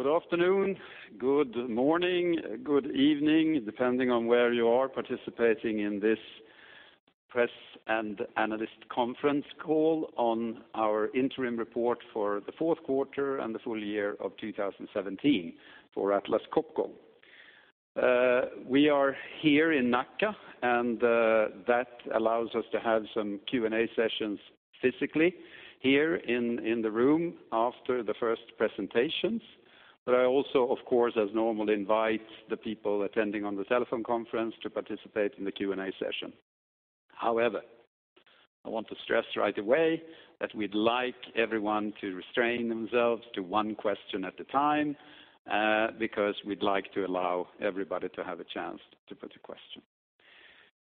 Good afternoon, good morning, good evening, depending on where you are participating in this press and analyst conference call on our interim report for the fourth quarter and the full year of 2017 for Atlas Copco Group. We are here in Nacka, and that allows us to have some Q&A sessions physically here in the room after the first presentations. I also, of course, as normal, invite the people attending on the telephone conference to participate in the Q&A session. However, I want to stress right away that we'd like everyone to restrain themselves to one question at a time, because we'd like to allow everybody to have a chance to put a question.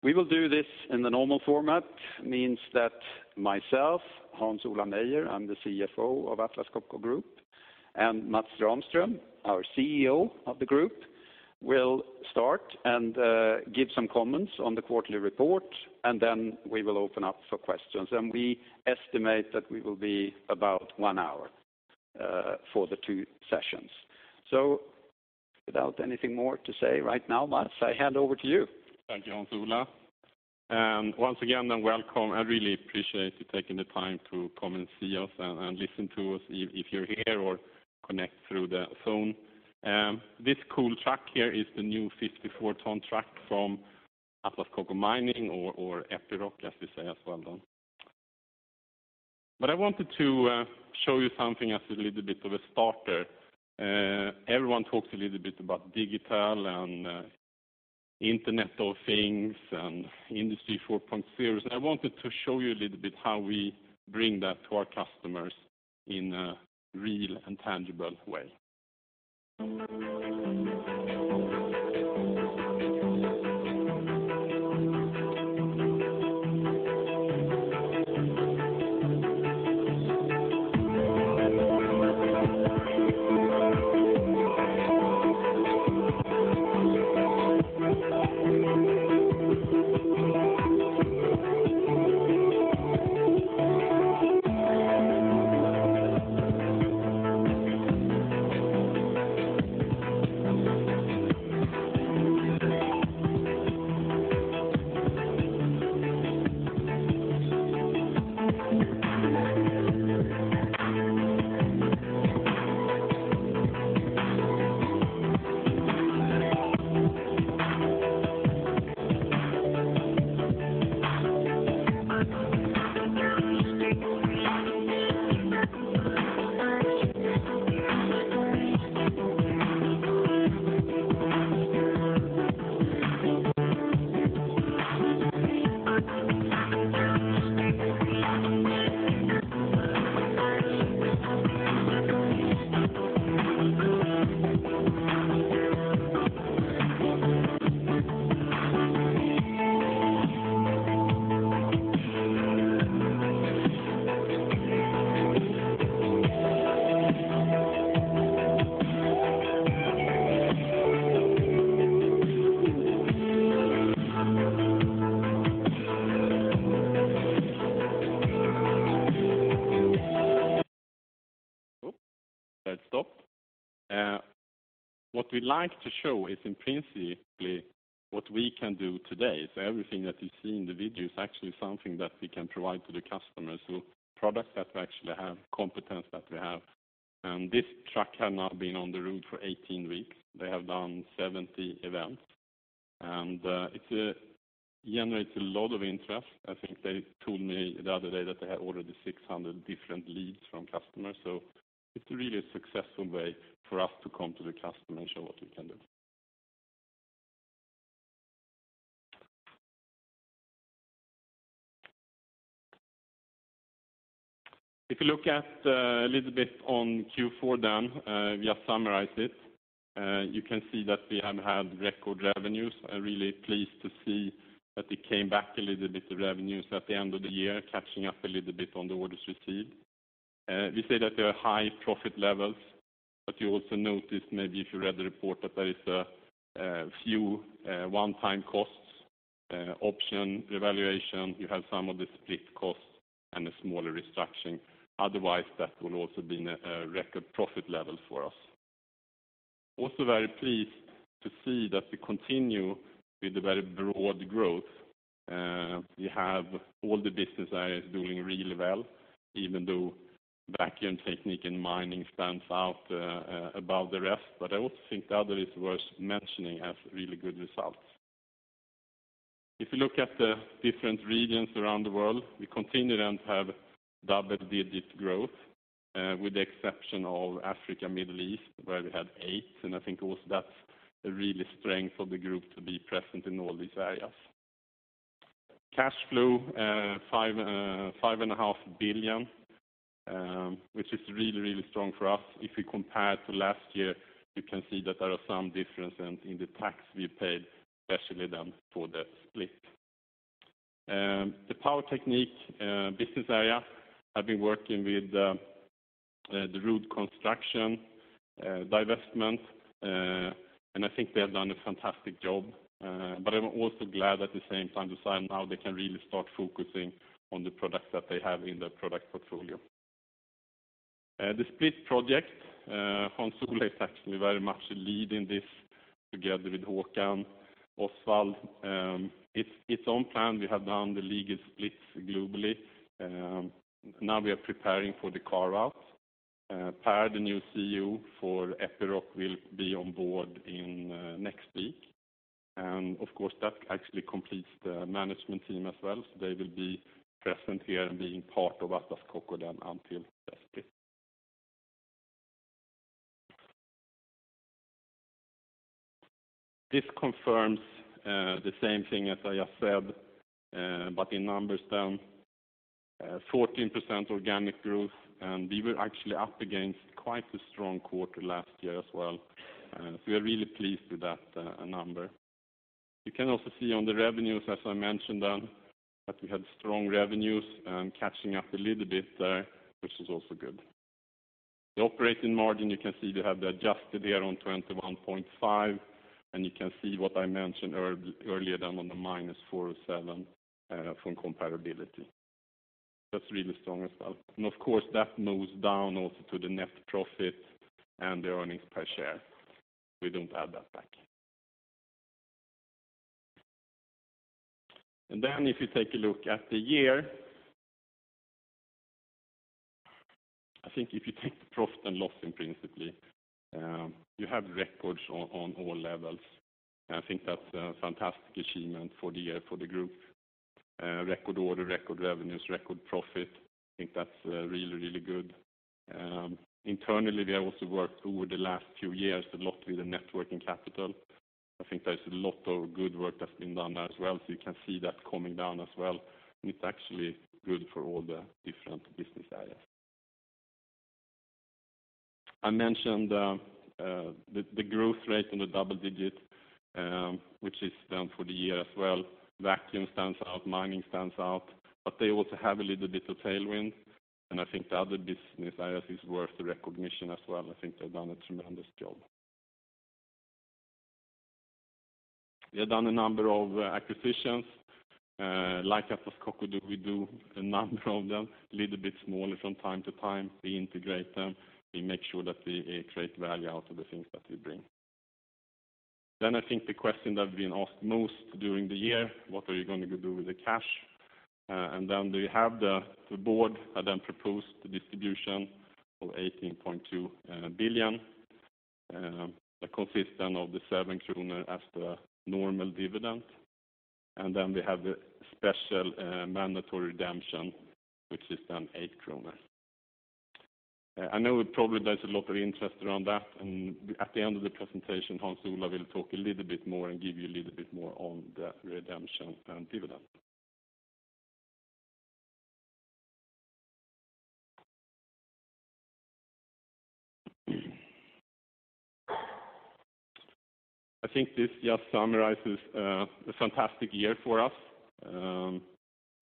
We will do this in the normal format, means that myself, Hans Ola Meyer, I'm the CFO of Atlas Copco Group, and Mats Rahmström, our CEO of the group, will start and give some comments on the quarterly report. Then we will open up for questions. We estimate that we will be about one hour for the two sessions. Without anything more to say right now, Mats, I hand over to you. Thank you, Hans Ola. Once again, and welcome. I really appreciate you taking the time to come and see us and listen to us, if you're here or connect through the phone. This cool truck here is the new 54-ton truck from Atlas Copco Mining or Epiroc, as we say as well then. I wanted to show you something as a little bit of a starter. Everyone talks a little bit about digital and Internet of Things and Industry 4.0. I wanted to show you a little bit how we bring that to our customers in a real and tangible way. Oop, that stopped. What we like to show is in principally what we can do today. Everything that you see in the video is actually something that we can provide to the customers, so products that we actually have, competence that we have. This truck has now been on the road for 18 weeks. They have done 70 events. It generates a lot of interest. I think they told me the other day that they had already 600 different leads from customers. It's really a successful way for us to come to the customer and show what we can do. If you look at a little bit on Q4 then, we have summarized it. You can see that we have had record revenues. I'm really pleased to see that it came back a little bit, the revenues at the end of the year, catching up a little bit on the orders received. We say that there are high profit levels, you also notice maybe if you read the report that there is a few one-time costs, option revaluation. You have some of the split costs and a smaller restructuring. Otherwise, that will also been a record profit level for us. Very pleased to see that we continue with the very broad growth. We have all the business areas doing really well, even though Vacuum Technique and Mining stands out above the rest. I also think the other is worth mentioning as really good results. If you look at the different regions around the world, we continue and have double-digit growth, with the exception of Africa, Middle East, where we had eight, and I think also that's a real strength of the group to be present in all these areas. Cash flow, 5.5 billion, which is really strong for us. If we compare to last year, you can see that there are some differences in the tax we paid, especially for the split. The Power Technique business area have been working with the Road Construction divestment. I think they have done a fantastic job. I'm also glad at the same time to say now they can really start focusing on the products that they have in their product portfolio. The split project, Hans Ola is actually very much leading this together with Håkan Osvald. It's on plan. We have done the legal split globally. Now we are preparing for the carve-out. Per, the new CEO for Epiroc, will be on board in next week, and of course, that actually completes the management team as well. They will be present here and being part of Atlas Copco then until the split. This confirms the same thing as I just said, but in numbers, 14% organic growth, and we were actually up against quite a strong quarter last year as well. We are really pleased with that number. You can also see on the revenues, as I mentioned, that we had strong revenues, catching up a little bit there, which is also good. The operating margin, you can see they have the adjusted there on 21.5, and you can see what I mentioned earlier on the minus 407 from comparability. That's really strong as well. Of course, that moves down also to the net profit and the earnings per share. We don't add that back. If you take a look at the year, I think if you take the profit and loss in principle, you have records on all levels, and I think that's a fantastic achievement for the year for the group. Record order, record revenues, record profit, I think that's really, really good. Internally, we have also worked over the last few years a lot with the net working capital. I think there's a lot of good work that's been done there as well. You can see that coming down as well, and it's actually good for all the different business areas. I mentioned the growth rate in the double-digit, which is down for the year as well. Vacuum stands out, mining stands out, they also have a little bit of tailwind, and I think the other business areas is worth recognition as well. I think they've done a tremendous job. We have done a number of acquisitions, like Atlas Copco do, we do a number of them, little bit smaller from time to time. We integrate them, we make sure that we create value out of the things that we bring. I think the question that we've been asked most during the year, what are you going to do with the cash? We have the board have then proposed the distribution of 18.2 billion, that consist then of the 7 kronor as the normal dividend, and then we have the special mandatory redemption, which is then 8 kronor. I know probably there's a lot of interest around that, and at the end of the presentation, Hans Ola will talk a little bit more and give you a little bit more on the redemption and dividend. I think this just summarizes a fantastic year for us.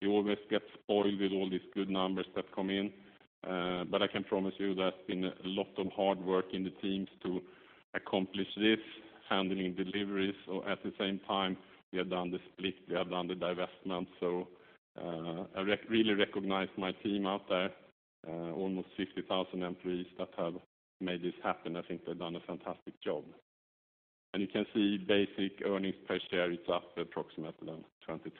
We always get spoiled with all these good numbers that come in. I can promise you there's been a lot of hard work in the teams to accomplish this, handling deliveries. At the same time, we have done the split, we have done the divestment, so I really recognize my team out there, almost 50,000 employees that have made this happen. I think they've done a fantastic job. You can see basic earnings per share is up approximately 22%.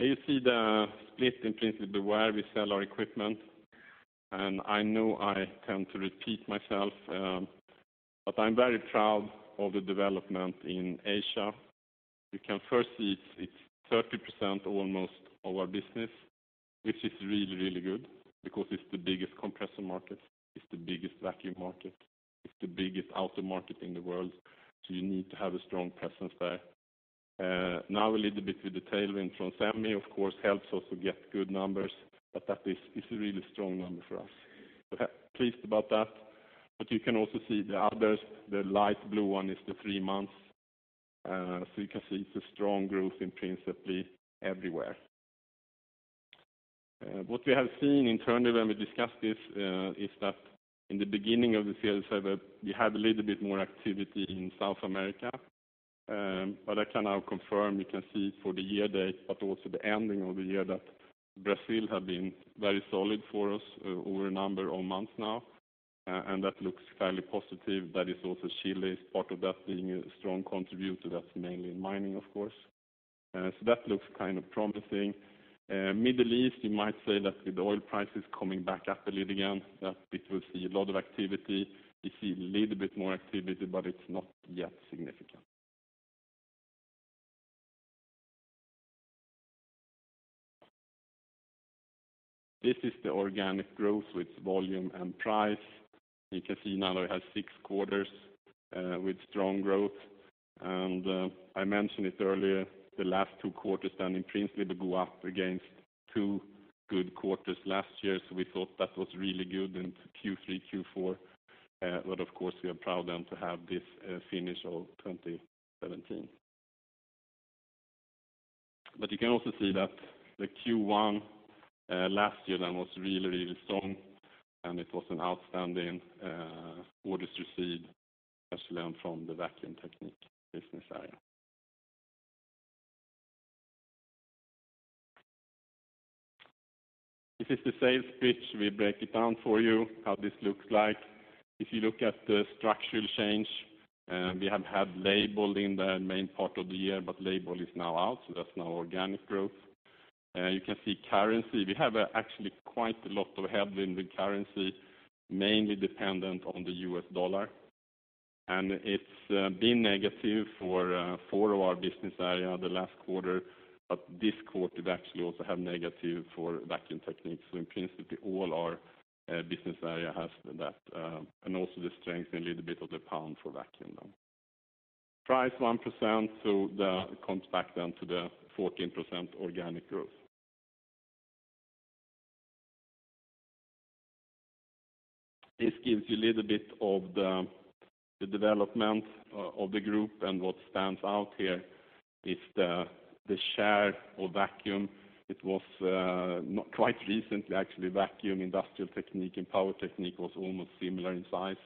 Here you see the split in principally where we sell our equipment, and I know I tend to repeat myself, but I'm very proud of the development in Asia. You can first see it's 30% almost our business, which is really, really good because it's the biggest compressor market, it's the biggest vacuum market, it's the biggest after market in the world, so you need to have a strong presence there. Now a little bit with the tailwind from SEMI, of course, helps us to get good numbers, but that is a really strong number for us. We're pleased about that, you can also see the others, the light blue one is the three months. You can see it's a strong growth in principally everywhere. What we have seen internally when we discussed this, is that in the beginning of the year, we had a little bit more activity in South America, I can now confirm you can see it for the year date, but also the ending of the year, that Brazil have been very solid for us over a number of months now, and that looks fairly positive. That is also Chile as part of that being a strong contributor, that's mainly in mining of course. That looks kind of promising. Middle East, you might say that with the oil prices coming back up a little again, that we could see a lot of activity. We see a little bit more activity, it's not yet significant. This is the organic growth with volume and price. You can see now that we have six quarters with strong growth, and I mentioned it earlier, the last two quarters then in principally to go up against two good quarters last year. We thought that was really good in Q3, Q4, but of course, we are proud then to have this finish of 2017. You can also see that the Q1 last year then was really strong, and it was an outstanding orders received, especially from the Vacuum Technique business area. This is the sales pitch. We break it down for you how this looks like. If you look at the structural change, we have had Leybold in the main part of the year, but Leybold is now out, so that's now organic growth. You can see currency, we have actually quite a lot of headwind with currency, mainly dependent on the U.S. dollar, and it's been negative for four of our business areas the last quarter, but this quarter it actually also have negative for Vacuum Technique. In principle, all our business areas have that, and also the strength a little bit of the GBP for Vacuum now. Price 1%, so that comes back then to the 14% organic growth. This gives you a little bit of the development of the group and what stands out here is the share of Vacuum. It was quite recent, actually, Vacuum Technique, Industrial Technique and Power Technique was almost similar in size,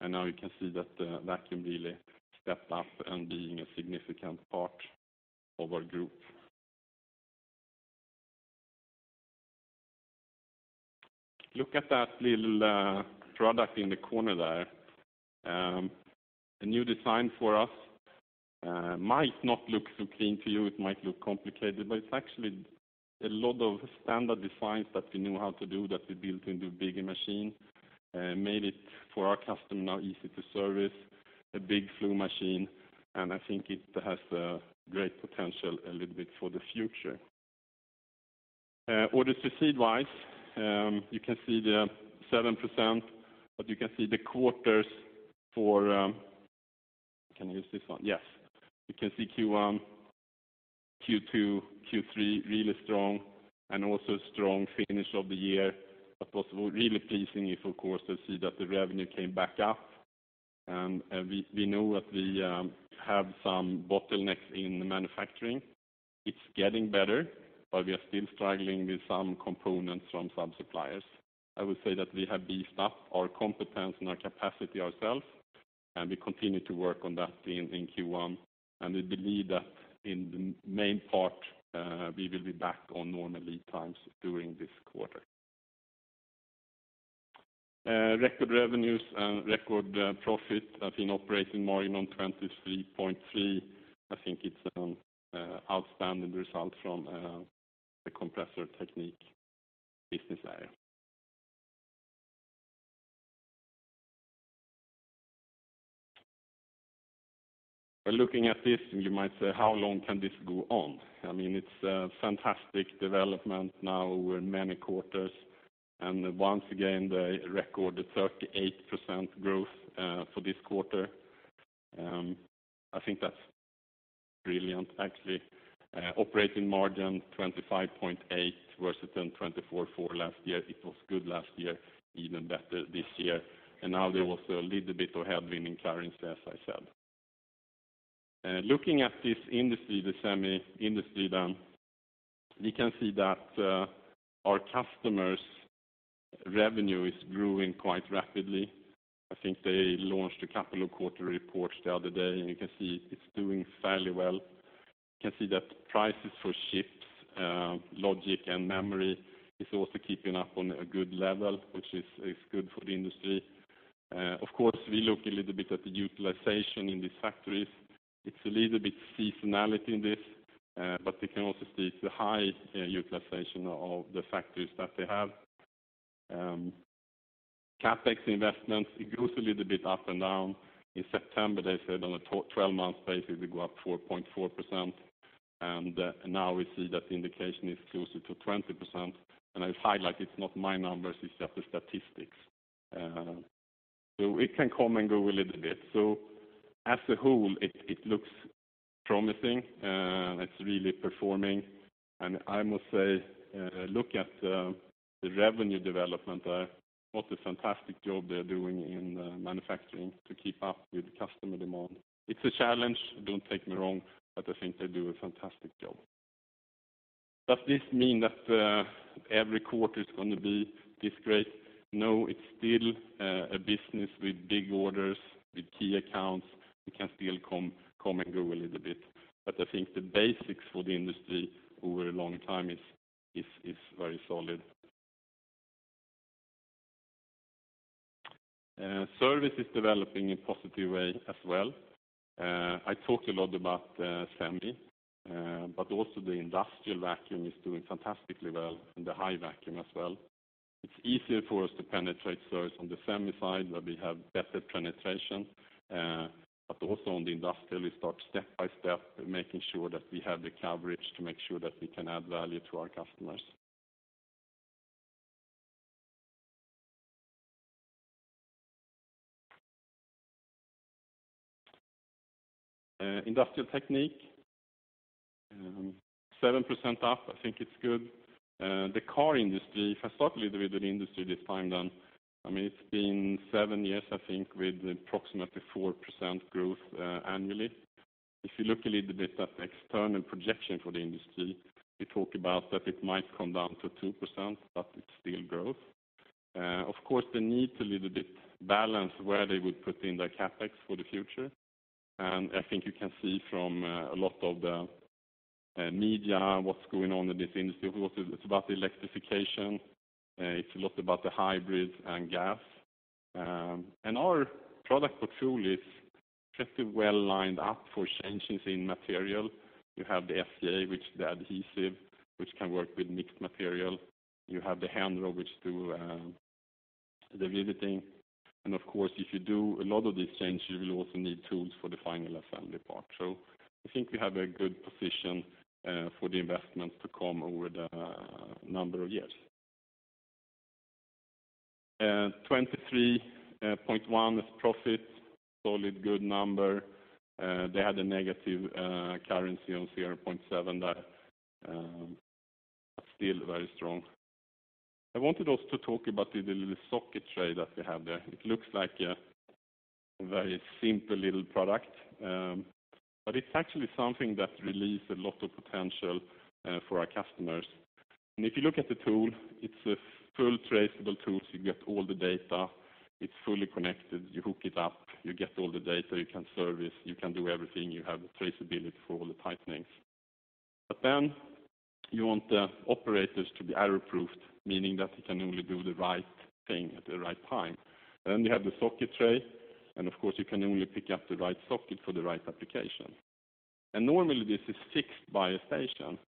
and now you can see that Vacuum really stepped up and being a significant part of our group. Look at that little product in the corner there. A new design for us. Might not look so clean to you, it might look complicated, but it's actually a lot of standard designs that we knew how to do, that we built into a bigger machine, made it for our customer now easy to service, a big flow machine, and I think it has great potential a little bit for the future. Orders received-wise, you can see the 7%, but you can see the quarters for Can I use this one? Yes. You can see Q1, Q2, Q3, really strong and also strong finish of the year, but what's really pleasing is, of course, to see that the revenue came back up, and we know that we have some bottlenecks in manufacturing. It's getting better, but we are still struggling with some components from some suppliers. I would say that we have beefed up our competence and our capacity ourselves, and we continue to work on that in Q1, and we believe that in the main part, we will be back on normal lead times during this quarter. Record revenues and record profit, I think operating margin on 23.3%. I think it's an outstanding result from the Compressor Technique business area. By looking at this, you might say, "How long can this go on?" It's a fantastic development now over many quarters, and once again, the record, the 38% growth for this quarter. I think that's brilliant, actually. Operating margin 25.8% versus then 24.4% last year. It was good last year, even better this year, and now there was a little bit of headwind in currency, as I said. Looking at this industry, the SEMI industry then, we can see that our customers' revenue is growing quite rapidly. I think they launched a couple of quarter reports the other day, and you can see it's doing fairly well. You can see that prices for chips, logic, and memory is also keeping up on a good level, which is good for the industry. Of course, we look a little bit at the utilization in these factories. It's a little bit seasonality in this, but we can also see it's a high utilization of the factories that they have. CapEx investments, it goes a little bit up and down. In September, they said on a 12-month basis, we go up 4.4%, and now we see that the indication is closer to 20%, and I highlight it's not my numbers, it's just the statistics. It can come and go a little bit. As a whole, it looks promising, it's really performing, and I must say, look at the revenue development there. What a fantastic job they're doing in manufacturing to keep up with customer demand. It's a challenge, don't take me wrong, but I think they do a fantastic job. Does this mean that every quarter is going to be this great? No, it's still a business with big orders, with key accounts, it can still come and go a little bit, but I think the basics for the industry over a long time is very solid. Service is developing in a positive way as well. I talk a lot about SEMI, but also the industrial vacuum is doing fantastically well, and the high vacuum as well. It's easier for us to penetrate service on the SEMI side, where we have better penetration, but also on the industrial, we start step by step, making sure that we have the coverage to make sure that we can add value to our customers. Industrial Technique 7% up, I think it's good. The car industry, if I start a little bit with the industry this time then, it's been seven years, I think, with approximately 4% growth annually. If you look a little bit at external projection for the industry, we talk about that it might come down to 2%, but it's still growth. Of course, they need to little bit balance where they would put in their CapEx for the future. I think you can see from a lot of the media, what's going on in this industry, it's about electrification, it's a lot about the hybrid and gas. Our product portfolio is pretty well lined up for changes in material. You have the SCA, which is the adhesive, which can work with mixed material. You have the Henrob, which do the riveting. Of course, if you do a lot of these changes, you will also need tools for the final assembly part. I think we have a good position for the investments to come over the number of years. 23.1% is profit, solid, good number. They had a negative currency on 0.7% there, but still very strong. I wanted also to talk about the little socket tray that we have there. It looks like a very simple little product, but it's actually something that release a lot of potential for our customers. If you look at the tool, it's a full traceable tool, so you get all the data. It's fully connected, you hook it up, you get all the data, you can service, you can do everything, you have the traceability for all the tightenings. You want the operators to be error-proofed, meaning that they can only do the right thing at the right time. You have the socket tray, and of course, you can only pick up the right socket for the right application. Normally this is fixed by a station,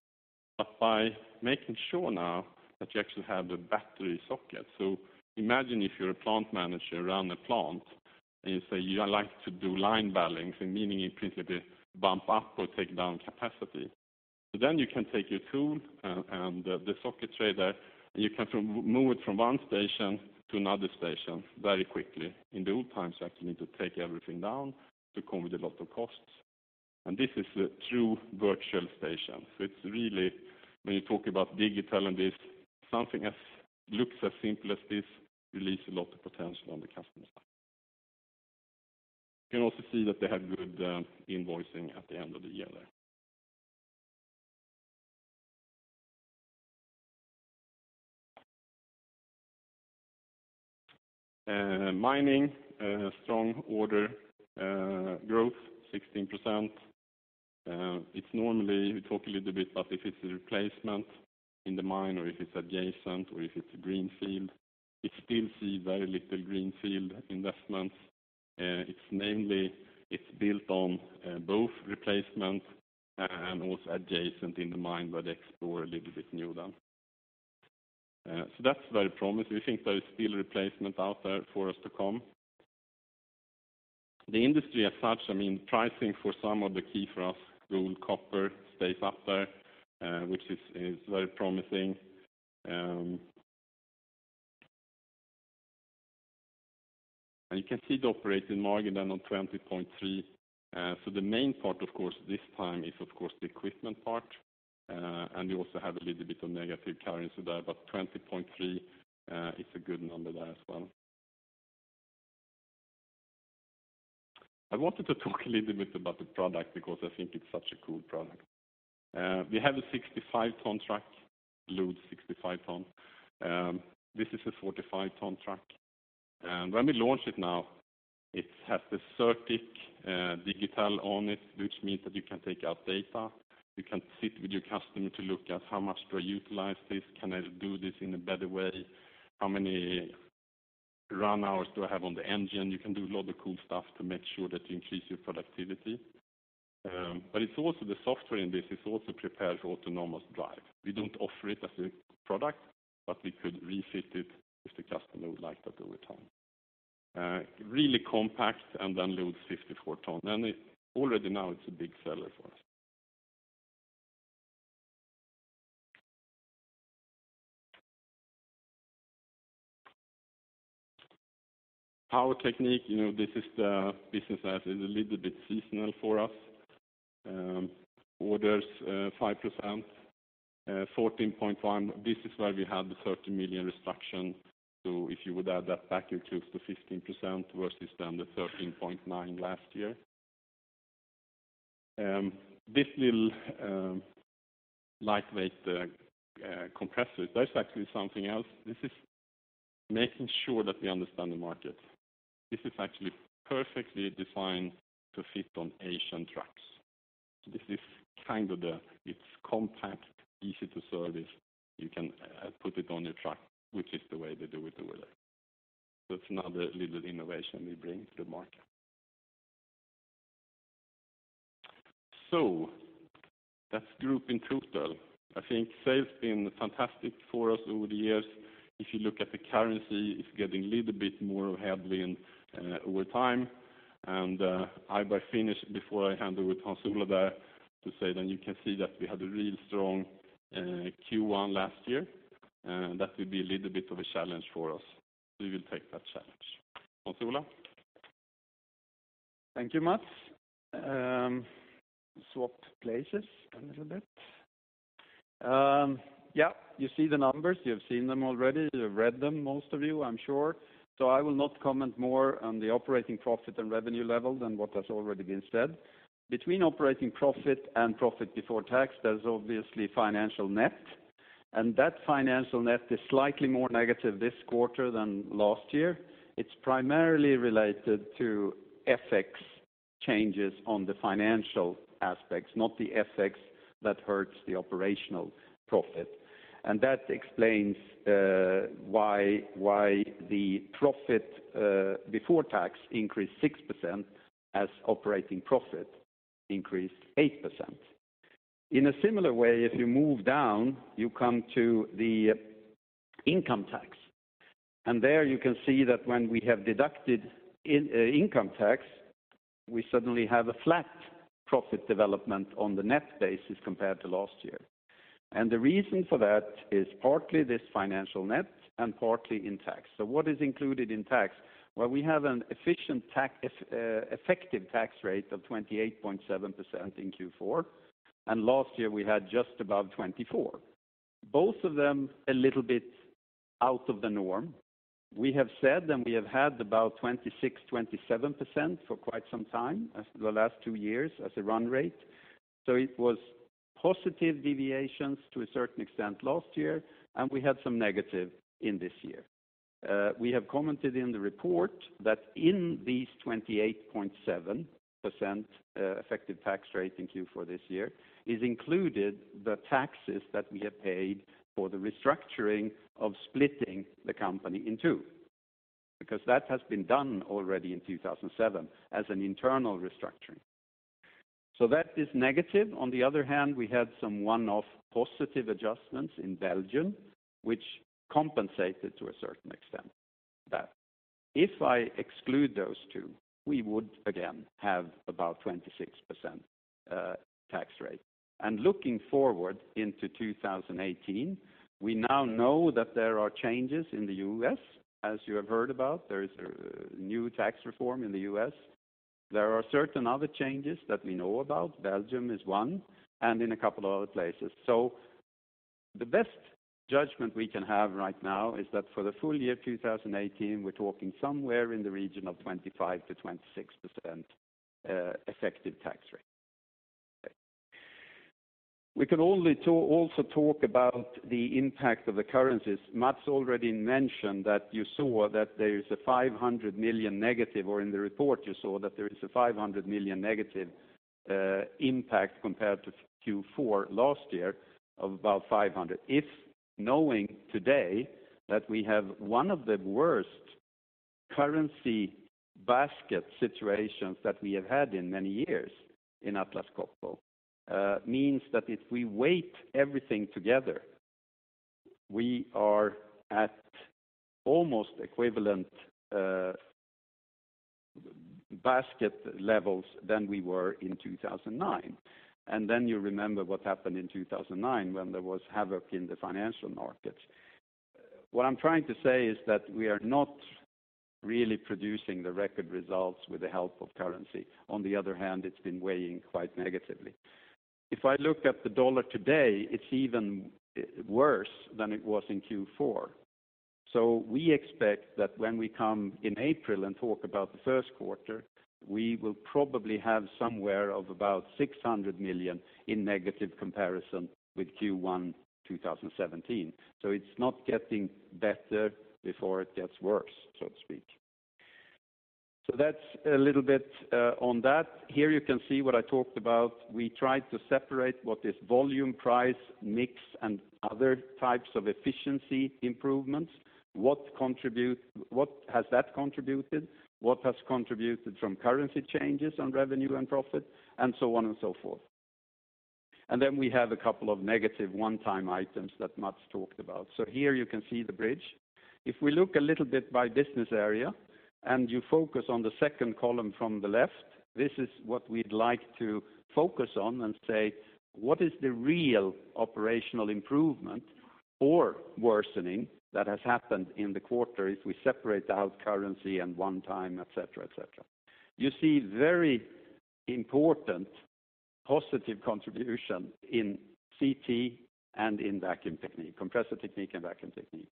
but by making sure now that you actually have the battery socket. Imagine if you're a plant manager around the plant, you say, "I like to do line balancing," meaning in principle, bump up or take down capacity. You can take your tool and the socket tray there, and you can move it from one station to another station very quickly. In the old times, you actually need to take everything down, to come with a lot of costs. This is a true virtual station. It's really, when you talk about digital and this, something looks as simple as this, release a lot of potential on the customer side. You can also see that they had good invoicing at the end of the year there. Mining, strong order growth, 16%. It's normally, we talk a little bit about if it's a replacement in the mine or if it's adjacent or if it's a greenfield. We still see very little greenfield investments. It's built on both replacement and also adjacent in the mine where they explore a little bit new then. That's very promising. We think there is still replacement out there for us to come. The industry as such, pricing for some of the key for us, gold, copper, stays up there, which is very promising. You can see the operating margin then on 20.3%. The main part of course this time is of course the equipment part, and you also have a little bit of negative currency there, but 20.3%, it's a good number there as well. I wanted to talk a little bit about the product because I think it's such a cool product. We have a 65-ton truck, loads 65 tons. This is a 45-ton truck. When we launch it now, it has the Certiq digital on it, which means that you can take out data, you can sit with your customer to look at how much do I utilize this, can I do this in a better way? How many run hours do I have on the engine? You can do a lot of cool stuff to make sure that you increase your productivity. The software in this is also prepared for autonomous drive. We don't offer it as a product, but we could refit it if the customer would like that over time. Really compact and then loads 54 tons, and already now it's a big seller for us. Power Technique, this is the business that is a little bit seasonal for us. Orders, 5%, 14.1, this is where we had the 30 million reduction. If you would add that back, it goes to 15% versus the SEK 13.9 last year. This little lightweight compressor, that's actually something else. This is making sure that we understand the market. This is actually perfectly designed to fit on Asian trucks. This is kind of. It's compact, easy to service. You can put it on your truck, which is the way they do it over there. That's another little innovation we bring to the market. That's group in total. I think sales been fantastic for us over the years. If you look at the currency, it's getting little bit more heavily over time. I by finish before I hand over to Hans Ola there to say, you can see that we had a real strong Q1 last year. That will be a little bit of a challenge for us. We will take that challenge. Hans Ola? Thank you, Mats. Swapped places a little bit. You see the numbers. You have seen them already. You have read them, most of you, I am sure. I will not comment more on the operating profit and revenue level than what has already been said. Between operating profit and profit before tax, there is obviously financial net, and that financial net is slightly more negative this quarter than last year. It is primarily related to FX changes on the financial aspects, not the FX that hurts the operational profit. That explains why the profit before tax increased 6% as operating profit increased 8%. In a similar way, if you move down, you come to the income tax. There you can see that when we have deducted income tax, we suddenly have a flat profit development on the net basis compared to last year. The reason for that is partly this financial net and partly in tax. What is included in tax? Well, we have an effective tax rate of 28.7% in Q4, and last year we had just above 24. Both of them a little bit out of the norm. We have said, and we have had about 26%, 27% for quite some time, the last two years as a run rate. It was positive deviations to a certain extent last year, and we had some negative in this year. We have commented in the report that in these 28.7% effective tax rate in Q4 this year is included the taxes that we have paid for the restructuring of splitting the company in two, because that has been done already in 2007 as an internal restructuring. That is negative. On the other hand, we had some one-off positive adjustments in Belgium, which compensated to a certain extent that. If I exclude those two, we would again have about 26% tax rate. Looking forward into 2018, we now know that there are changes in the U.S., as you have heard about. There is a new tax reform in the U.S. There are certain other changes that we know about. Belgium is one, and in a couple of other places. The best judgment we can have right now is that for the full year 2018, we are talking somewhere in the region of 25%-26% effective tax rate. We can also talk about the impact of the currencies. Mats already mentioned that you saw that there is a 500 million negative, or in the report you saw that there is a 500 million negative impact compared to Q4 last year of about 500. If knowing today that we have one of the worst currency basket situations that we have had in many years in Atlas Copco means that if we weight everything together, we are at almost equivalent basket levels than we were in 2009. You remember what happened in 2009 when there was havoc in the financial market. What I am trying to say is that we are not really producing the record results with the help of currency. It has been weighing quite negatively. If I look at the U.S. dollar today, it is even worse than it was in Q4. We expect that when we come in April and talk about the first quarter, we will probably have somewhere of about 600 million in negative comparison with Q1 2017. It is not getting better before it gets worse, so to speak. That is a little bit on that. Here you can see what I talked about. We tried to separate what is volume price, mix, and other types of efficiency improvements, what has that contributed, what has contributed from currency changes on revenue and profit, and so on and so forth. We have a couple of negative one-time items that Mats talked about. Here you can see the bridge. If we look a little bit by business area and you focus on the second column from the left, this is what we would like to focus on and say, what is the real operational improvement or worsening that has happened in the quarter if we separate out currency and one time, et cetera. You see very important positive contribution in CT and in Vacuum Technique, Compressor Technique and Vacuum Technique.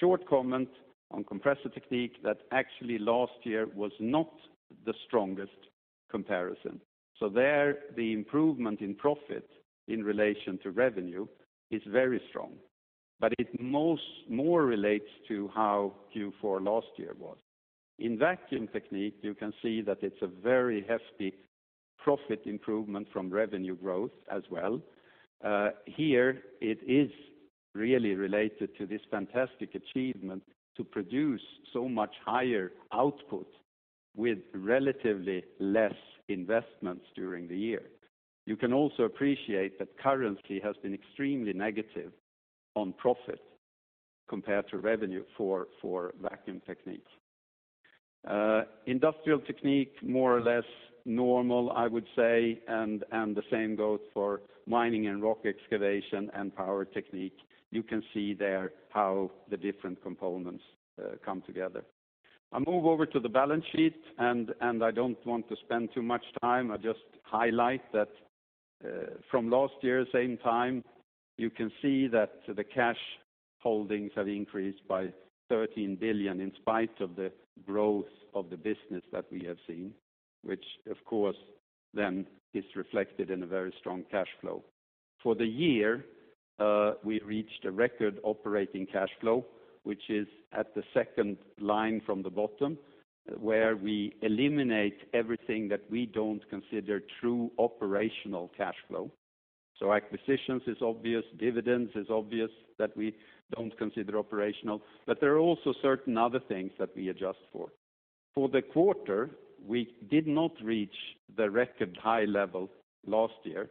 Short comment on Compressor Technique that actually last year was not the strongest comparison. There, the improvement in profit in relation to revenue is very strong, but it more relates to how Q4 last year was. In Vacuum Technique, you can see that it is a very hefty profit improvement from revenue growth as well. Here it is really related to this fantastic achievement to produce so much higher output with relatively less investments during the year. You can also appreciate that currency has been extremely negative on profit compared to revenue for Vacuum Technique. Industrial Technique, more or less normal, I would say, and the same goes for Mining and Rock Excavation and Power Technique. You can see there how the different components come together. I move over to the balance sheet, and I do not want to spend too much time. I just highlight that from last year same time, you can see that the cash holdings have increased by 13 billion in spite of the growth of the business that we have seen, which of course then is reflected in a very strong cash flow. For the year, we reached a record operating cash flow, which is at the second line from the bottom, where we eliminate everything that we do not consider true operational cash flow. Acquisitions is obvious, dividends is obvious that we don't consider operational. There are also certain other things that we adjust for. For the quarter, we did not reach the record high level last year,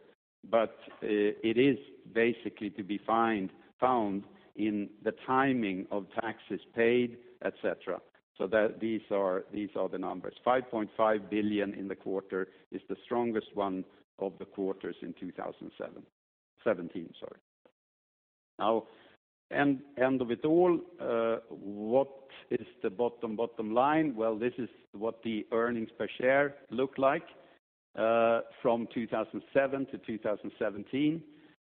but it is basically to be found in the timing of taxes paid, et cetera. These are the numbers. 5.5 billion in the quarter is the strongest one of the quarters in 2017. End of it all, what is the bottom line? This is what the earnings per share look like from 2007 to 2017.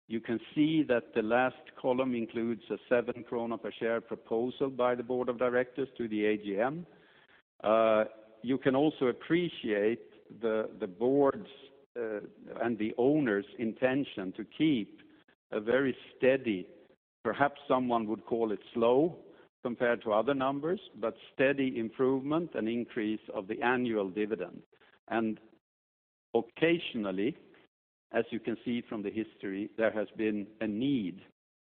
You can see that the last column includes a 7 krona per share proposal by the board of directors to the AGM. You can also appreciate the board's and the owner's intention to keep a very steady, perhaps someone would call it slow compared to other numbers, but steady improvement and increase of the annual dividend. Occasionally, as you can see from the history, there has been a need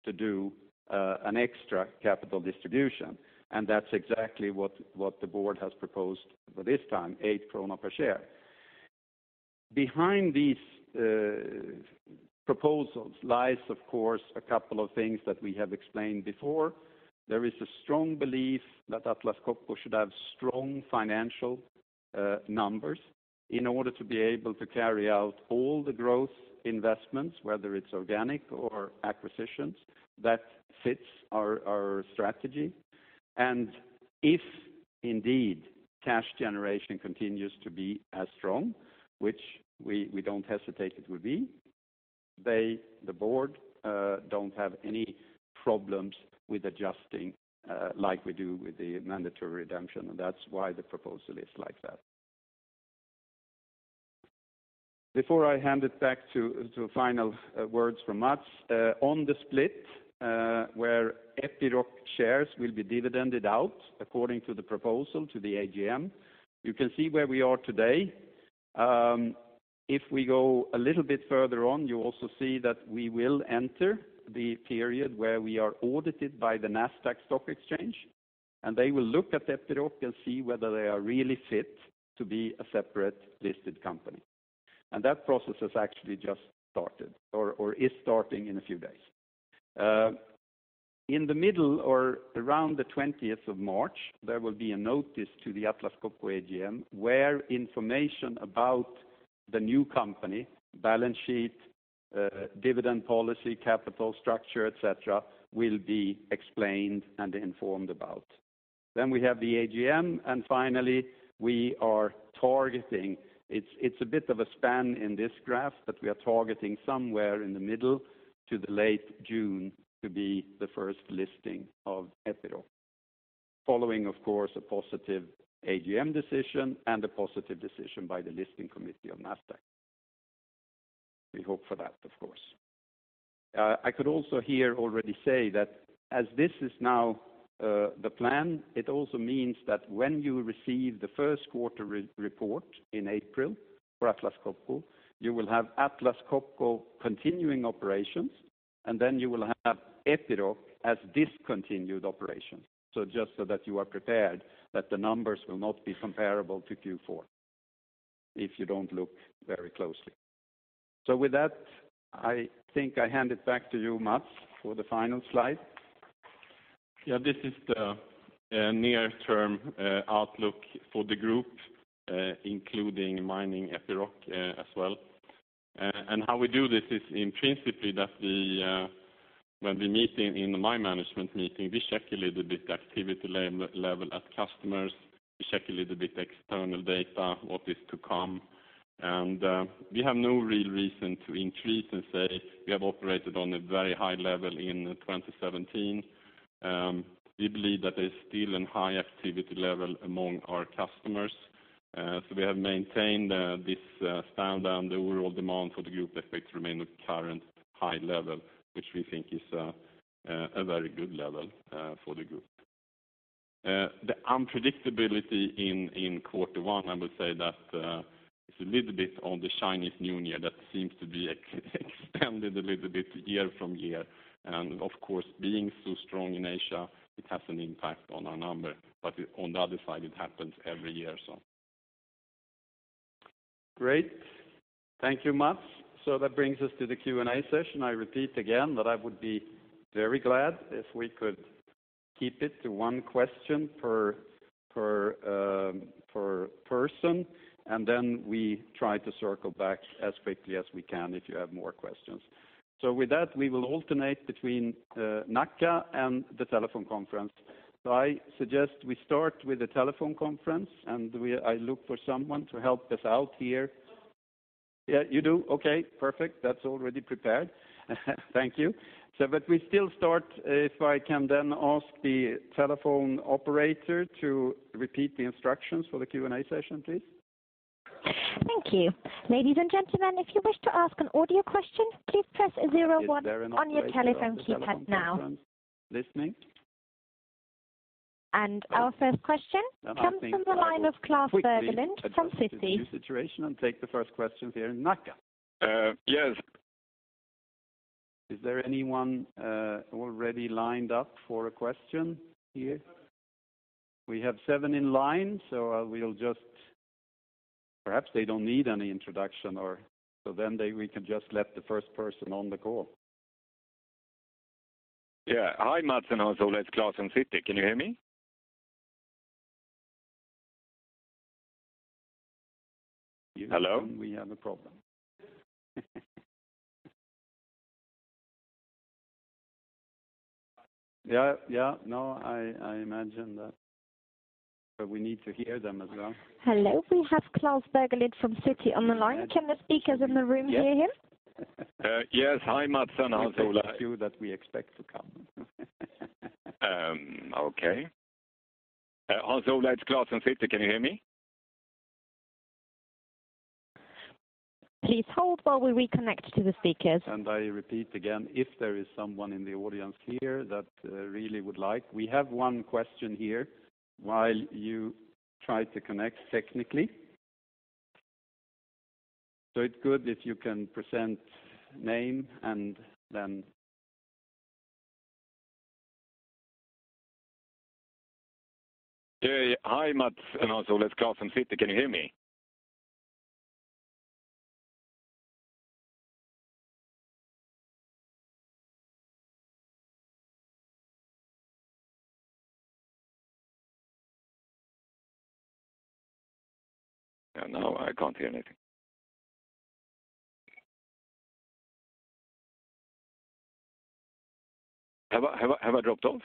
to do an extra capital distribution, and that's exactly what the board has proposed for this time, 8 krona per share. Behind these proposals lies, of course, a couple of things that we have explained before. There is a strong belief that Atlas Copco should have strong financial numbers in order to be able to carry out all the growth investments, whether it's organic or acquisitions, that fits our strategy. If indeed cash generation continues to be as strong, which we don't hesitate it will be, the board don't have any problems with adjusting like we do with the mandatory redemption, and that's why the proposal is like that. Before I hand it back to final words from Mats, on the split where Epiroc shares will be dividended out according to the proposal to the AGM, you can see where we are today. If we go a little bit further on, you also see that we will enter the period where we are audited by the Nasdaq stock exchange, and they will look at Epiroc and see whether they are really fit to be a separate listed company. That process has actually just started or is starting in a few days. In the middle or around the 20th of March, there will be a notice to the Atlas Copco AGM where information about the new company, balance sheet, dividend policy, capital structure, et cetera, will be explained and informed about. We have the AGM, and finally, we are targeting. It's a bit of a span in this graph, but we are targeting somewhere in the middle to the late June to be the first listing of Epiroc, following, of course, a positive AGM decision and a positive decision by the listing committee of Nasdaq. We hope for that, of course. I could also here already say that as this is now the plan, it also means that when you receive the first quarter report in April for Atlas Copco, you will have Atlas Copco continuing operations, and then you will have Epiroc as discontinued operations. Just so that you are prepared that the numbers will not be comparable to Q4 if you don't look very closely. With that, I think I hand it back to you, Mats, for the final slide. This is the near-term outlook for the group including mining Epiroc as well. How we do this is in principle that when we meet in my management meeting, we check a little bit the activity level at customers, we check a little bit external data, what is to come, and we have no real reason to increase and say we have operated on a very high level in 2017. We believe that there's still a high activity level among our customers. We have maintained this stand on the overall demand for the group effects remain at current high level, which we think is a very good level for the group. The unpredictability in quarter one, I would say that it's a little bit on the Chinese New Year that seems to be expanded a little bit year from year. Of course, being so strong in Asia, it has an impact on our number. On the other side, it happens every year or so. Great. Thank you, Mats. That brings us to the Q&A session. I repeat again that I would be very glad if we could keep it to one question per person, and then we try to circle back as quickly as we can if you have more questions. With that, we will alternate between Nacka and the telephone conference. I suggest we start with the telephone conference, and I look for someone to help us out here. You do? Perfect. That's already prepared. Thank you. We still start, if I can then ask the telephone operator to repeat the instructions for the Q&A session, please. Thank you. Ladies and gentlemen, if you wish to ask an audio question, please press 01 on your telephone keypad now. Is there an operator on the telephone conference listening? Our first question comes from the line of Klas Bergelind from Citi. I think I will quickly adjust to the new situation and take the first question here in Nacka. Yes. Is there anyone already lined up for a question here? Yes, sir. We have seven in line, so perhaps they don't need any introduction, so then we can just let the first person on the call. Yeah. Hi, Mats and Hans Ola. It's Klas from Citi. Can you hear me? Hello? We have a problem. I imagine that. We need to hear them as well. Hello, we have Klas Bergelind from Citi on the line. Can the speakers in the room hear him? Yes. Hi, Mats and Hans Ola. We'll take a few that we expect to come. Okay. Hans Ola, it's Klas from Citi. Can you hear me? Please hold while we reconnect to the speakers. I repeat again, if there is someone in the audience here that really would like, we have one question here while you try to connect technically. It's good if you can present name and then Yeah. Hi, Mats and Hans Ola. It's Klas from Citi. Can you hear me? No, I can't hear anything. Have I dropped off?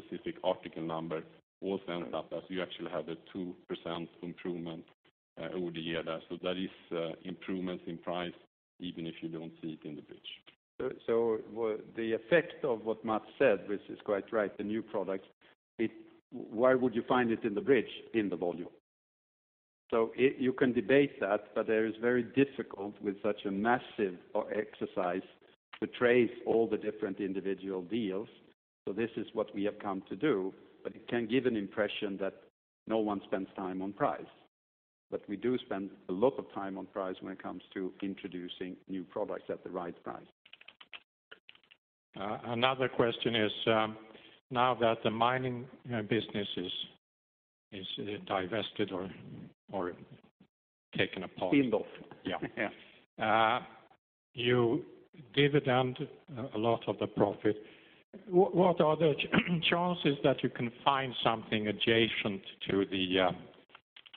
Specific article number or send [inaudible] you actually have a 2% improvement over the year there. That is improvements in price even if you don't see it in the bridge. The effect of what Mats said, which is quite right, the new product, why would you find it in the bridge in the volume? You can debate that, but that is very difficult with such a massive exercise to trace all the different individual deals. This is what we have come to do, but it can give an impression that no one spends time on price. We do spend a lot of time on price when it comes to introducing new products at the right price. Another question is, now that the mining business is divested or taken apart. Spinned off. Yeah. Yeah. You dividend a lot of the profit. What are the chances that you can find something adjacent to the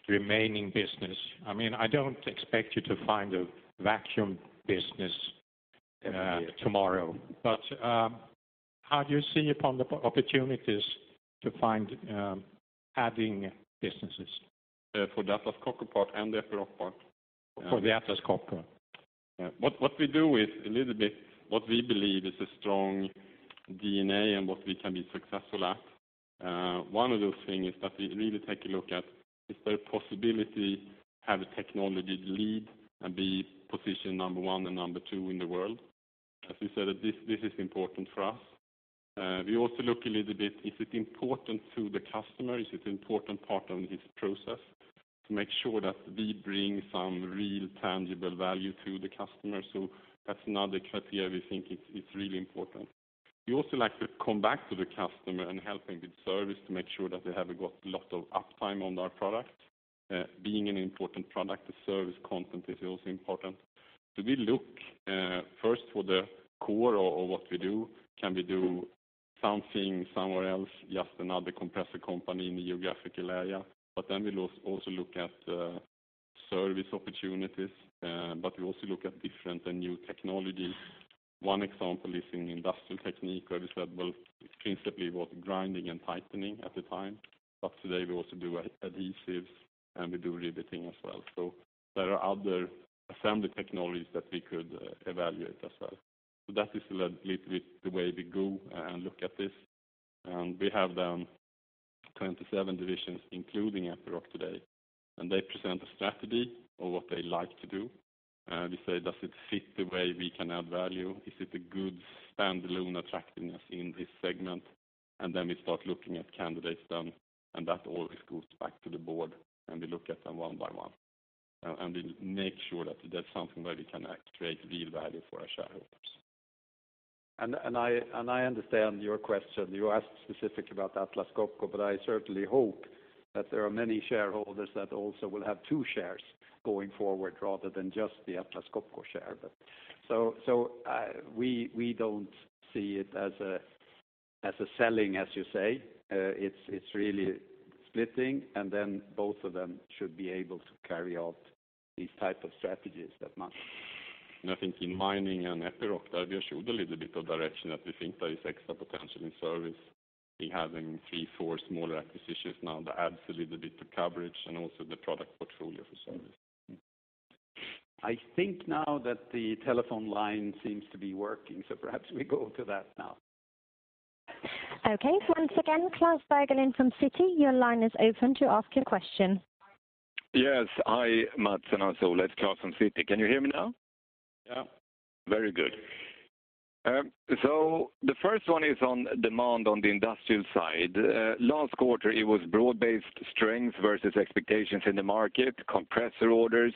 remaining business? I don't expect you to find a vacuum business- Yeah tomorrow, how do you see upon the opportunities to find adding businesses? For the Atlas Copco part and the Epiroc part? For the Atlas Copco. What we do with a little bit what we believe is a strong DNA and what we can be successful at, one of the things is that we really take a look at, is there a possibility to have a technology lead and be position 1 and 2 in the world? As we said, this is important for us. We also look a little bit, is it important to the customer? Is it important part of his process? To make sure that we bring some real tangible value to the customer. That's another criteria we think it's really important. We also like to come back to the customer and help them with service to make sure that they have got lot of uptime on our product. Being an important product, the service content is also important. We look first for the core of what we do. Can we do something somewhere else, just another compressor company in the geographical area? We also look at service opportunities, we also look at different and new technologies. One example is in Industrial Technique where we said, well, principally it was grinding and tightening at the time, today we also do adhesives, and we do riveting as well. There are other assembly technologies that we could evaluate as well. That is a little bit the way we go and look at this. We have then 27 divisions, including Epiroc today, they present a strategy of what they like to do. We say, does it fit the way we can add value? Is it a good stand-alone attractiveness in this segment? We start looking at candidates then, that always goes back to the board, we look at them one by one. We make sure that it is something where we can create real value for our shareholders. I understand your question. You asked specific about Atlas Copco, I certainly hope that there are many shareholders that also will have two shares going forward rather than just the Atlas Copco share. We don't see it as a selling, as you say. It's really splitting, both of them should be able to carry out these type of strategies that Mats- I think in Mining and Epiroc, that we showed a little bit of direction that we think there is extra potential in service. We having three, four smaller acquisitions now that adds a little bit to coverage and also the product portfolio for service. I think now that the telephone line seems to be working, perhaps we go to that now. Okay. Once again, Klas Bergelind from Citi, your line is open to ask a question. Yes. Hi, Mats and Hans it's Klas from Citi. Can you hear me now? Yeah. Very good. The first one is on demand on the industrial side. Last quarter it was broad-based strength versus expectations in the market, compressor orders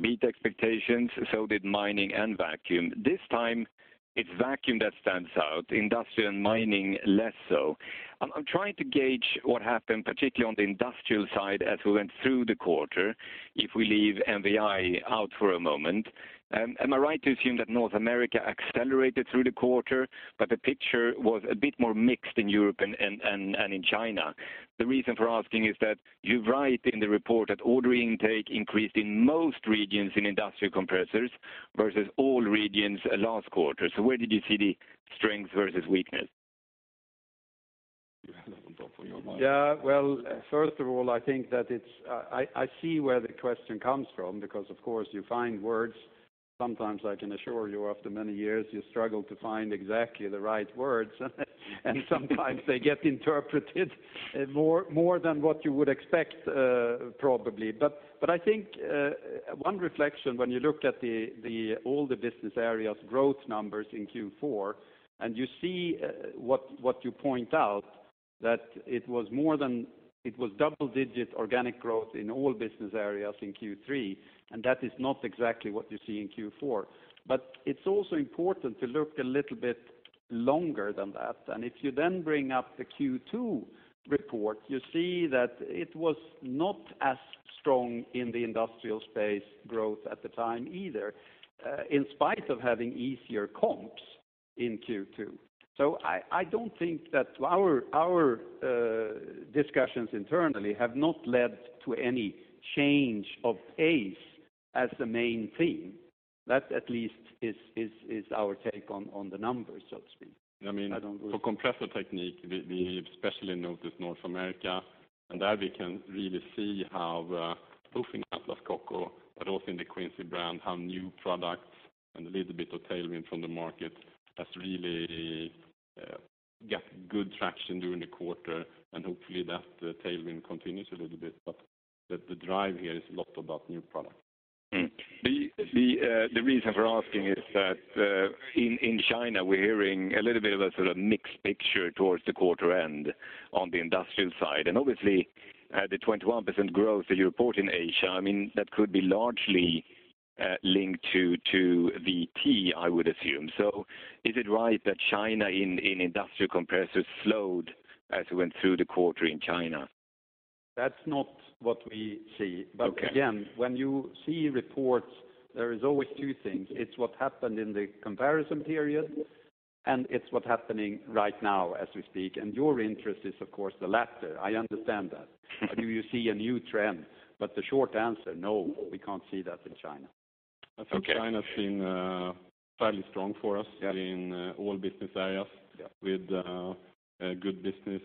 beat expectations, so did mining and vacuum. This time it's vacuum that stands out, industrial and mining, less so. I'm trying to gauge what happened, particularly on the industrial side as we went through the quarter, if we leave MVI out for a moment. Am I right to assume that North America accelerated through the quarter, but the picture was a bit more mixed in Europe and in China? The reason for asking is that you write in the report that order intake increased in most regions in industrial compressors versus all regions last quarter. Where did you see the strength versus weakness? You had that on top of your mind. Yeah. Well, first of all, I see where the question comes from because, of course, you find words, sometimes I can assure you after many years, you struggle to find exactly the right words, and sometimes they get interpreted more than what you would expect, probably. I think one reflection when you looked at all the business areas growth numbers in Q4, and you see what you point out, that it was double-digit organic growth in all business areas in Q3, and that is not exactly what you see in Q4. It's also important to look a little bit longer than that. If you then bring up the Q2 report, you see that it was not as strong in the industrial space growth at the time either, in spite of having easier comps in Q2. I don't think that our discussions internally have not led to any change of pace as the main theme. That at least is our take on the numbers, so to speak. For Compressor Technique, we especially noticed North America. There we can really see how both in Atlas Copco, but also in the Quincy brand, how new products and a little bit of tailwind from the market has really got good traction during the quarter. Hopefully that tailwind continues a little bit. The drive here is a lot about new products. The reason for asking is that in China, we're hearing a little bit of a sort of mixed picture towards the quarter end on the industrial side. Obviously, the 21% growth that you report in Asia, that could be largely linked to VT, I would assume. Is it right that China in industrial compressors slowed as we went through the quarter in China? That's not what we see. Okay. Again, when you see reports, there is always two things. It's what happened in the comparison period, and it's what happening right now as we speak. Your interest is, of course, the latter. I understand that. Do you see a new trend? The short answer, no, we can't see that in China. Okay. I think China's been fairly strong for us- Yeah in all business areas- Yeah with good business.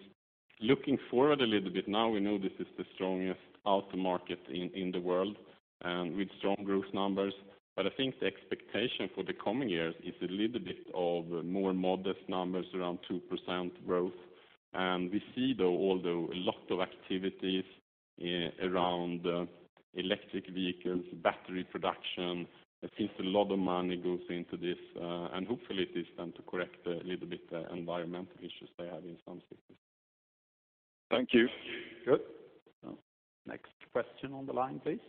Looking forward a little bit, now we know this is the strongest auto market in the world with strong growth numbers. I think the expectation for the coming years is a little bit of more modest numbers, around 2% growth. We see, though, although a lot of activities around electric vehicles, battery production, it seems a lot of money goes into this, and hopefully it is then to correct a little bit the environmental issues they have in some cities. Thank you. Good. Next question on the line, please.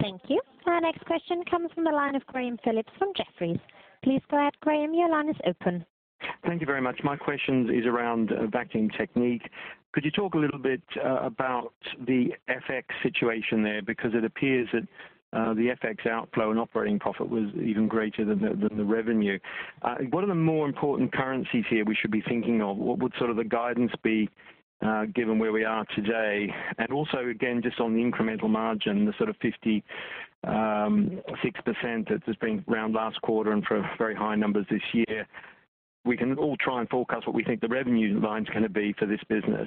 Thank you. Our next question comes from the line of Graham Phillips from Jefferies. Please go ahead, Graham. Your line is open. Thank you very much. My question is around Vacuum Technique. Could you talk a little bit about the FX situation there? Because it appears that the FX outflow and operating profit was even greater than the revenue. What are the more important currencies here we should be thinking of? What would sort of the guidance be given where we are today? And also, again, just on the incremental margin, the sort of 56% that has been around last quarter and for very high numbers this year. We can all try and forecast what we think the revenue line's going to be for this business.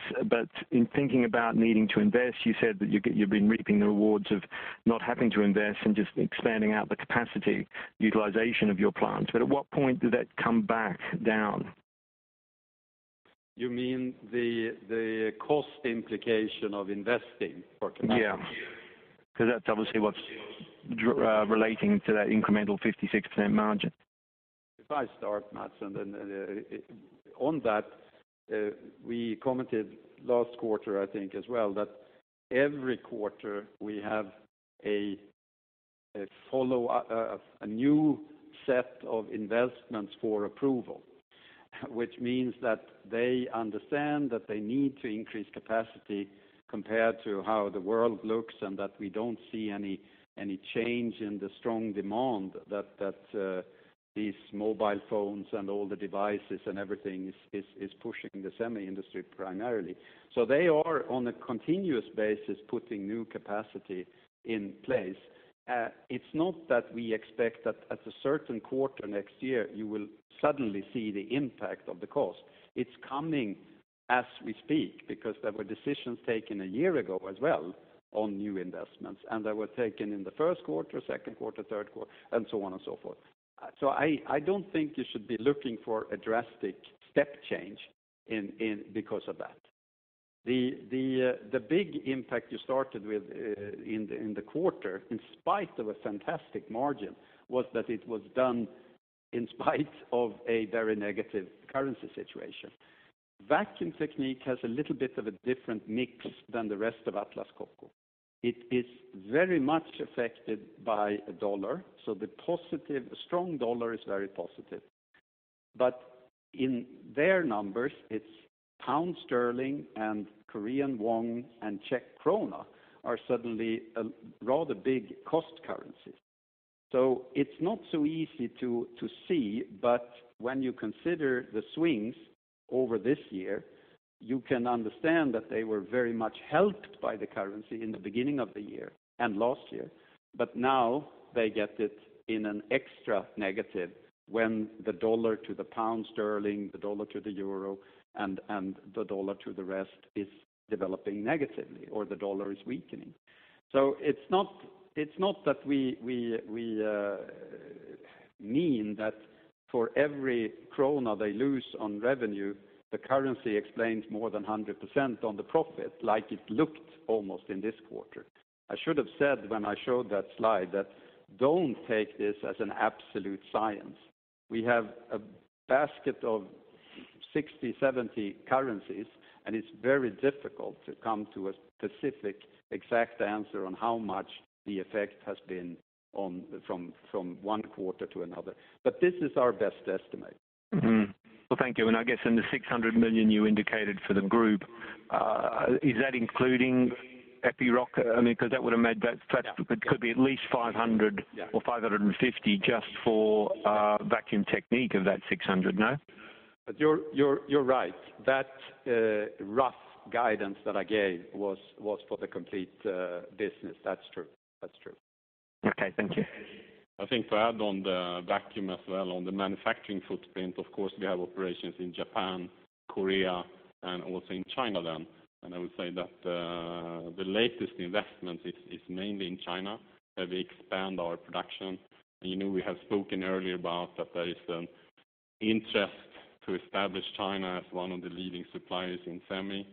In thinking about needing to invest, you said that you've been reaping the rewards of not having to invest and just expanding out the capacity utilization of your plants. At what point did that come back down? You mean the cost implication of investing for Vacuum? Yeah. That's obviously what's relating to that incremental 56% margin. If I start, Mats, on that, we commented last quarter, I think as well, that every quarter we have a new set of investments for approval, which means that they understand that they need to increase capacity compared to how the world looks, and that we don't see any change in the strong demand that these mobile phones and all the devices and everything is pushing the SEMI industry primarily. They are, on a continuous basis, putting new capacity in place. It's not that we expect that at a certain quarter next year, you will suddenly see the impact of the cost. It's coming as we speak because there were decisions taken a year ago as well on new investments, and they were taken in the first quarter, second quarter, third quarter, and so on and so forth. I don't think you should be looking for a drastic step change because of that. The big impact you started with in the quarter, in spite of a fantastic margin, was that it was done in spite of a very negative currency situation. Vacuum Technique has a little bit of a different mix than the rest of Atlas Copco. It is very much affected by the dollar, so the strong dollar is very positive. But in their numbers, it's GBP and KRW and CZK are suddenly a rather big cost currency. It's not so easy to see, but when you consider the swings over this year, you can understand that they were very much helped by the currency in the beginning of the year and last year. Now they get it in an extra negative when the dollar to the GBP, the dollar to the EUR, and the dollar to the rest is developing negatively, or the dollar is weakening. It's not that we mean that for every koruna they lose on revenue, the currency explains more than 100% on the profit like it looked almost in this quarter. I should have said when I showed that slide, don't take this as an absolute science. We have a basket of 60, 70 currencies, and it's very difficult to come to a specific exact answer on how much the effect has been from one quarter to another. This is our best estimate. Well, thank you. I guess in the 600 million you indicated for the group, is that including Epiroc? Because that would have made that- Yeah It could be at least 500 or 550 just for Vacuum Technique of that 600, no? You're right. That rough guidance that I gave was for the complete business. That's true. Okay. Thank you. I think to add on the Vacuum as well, on the manufacturing footprint, of course, we have operations in Japan, Korea, and also in China then. I would say that the latest investment is mainly in China, where we expand our production. You know we have spoken earlier about that there is an interest to establish China as one of the leading suppliers in SEMI.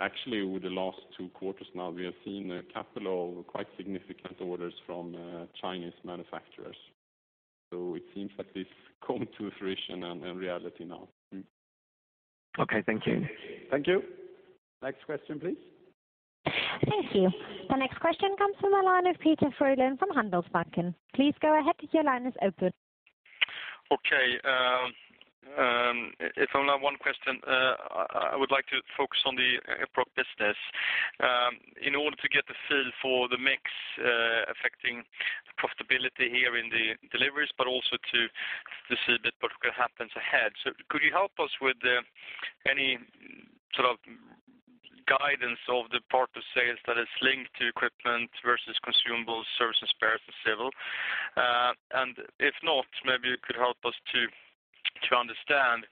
Actually with the last two quarters now, we have seen a couple of quite significant orders from Chinese manufacturers. It seems like it's coming to fruition and reality now. Okay. Thank you. Thank you. Next question, please. Thank you. The next question comes from the line of Peter Frölund from Handelsbanken. Please go ahead. Your line is open. Okay. If only one question, I would like to focus on the Epiroc business. In order to get a feel for the mix affecting the profitability here in the deliveries, but also to see a bit what happens ahead. Could you help us with any sort of guidance of the part of sales that is linked to equipment versus consumable service and spares and civil? If not, maybe you could help us to understand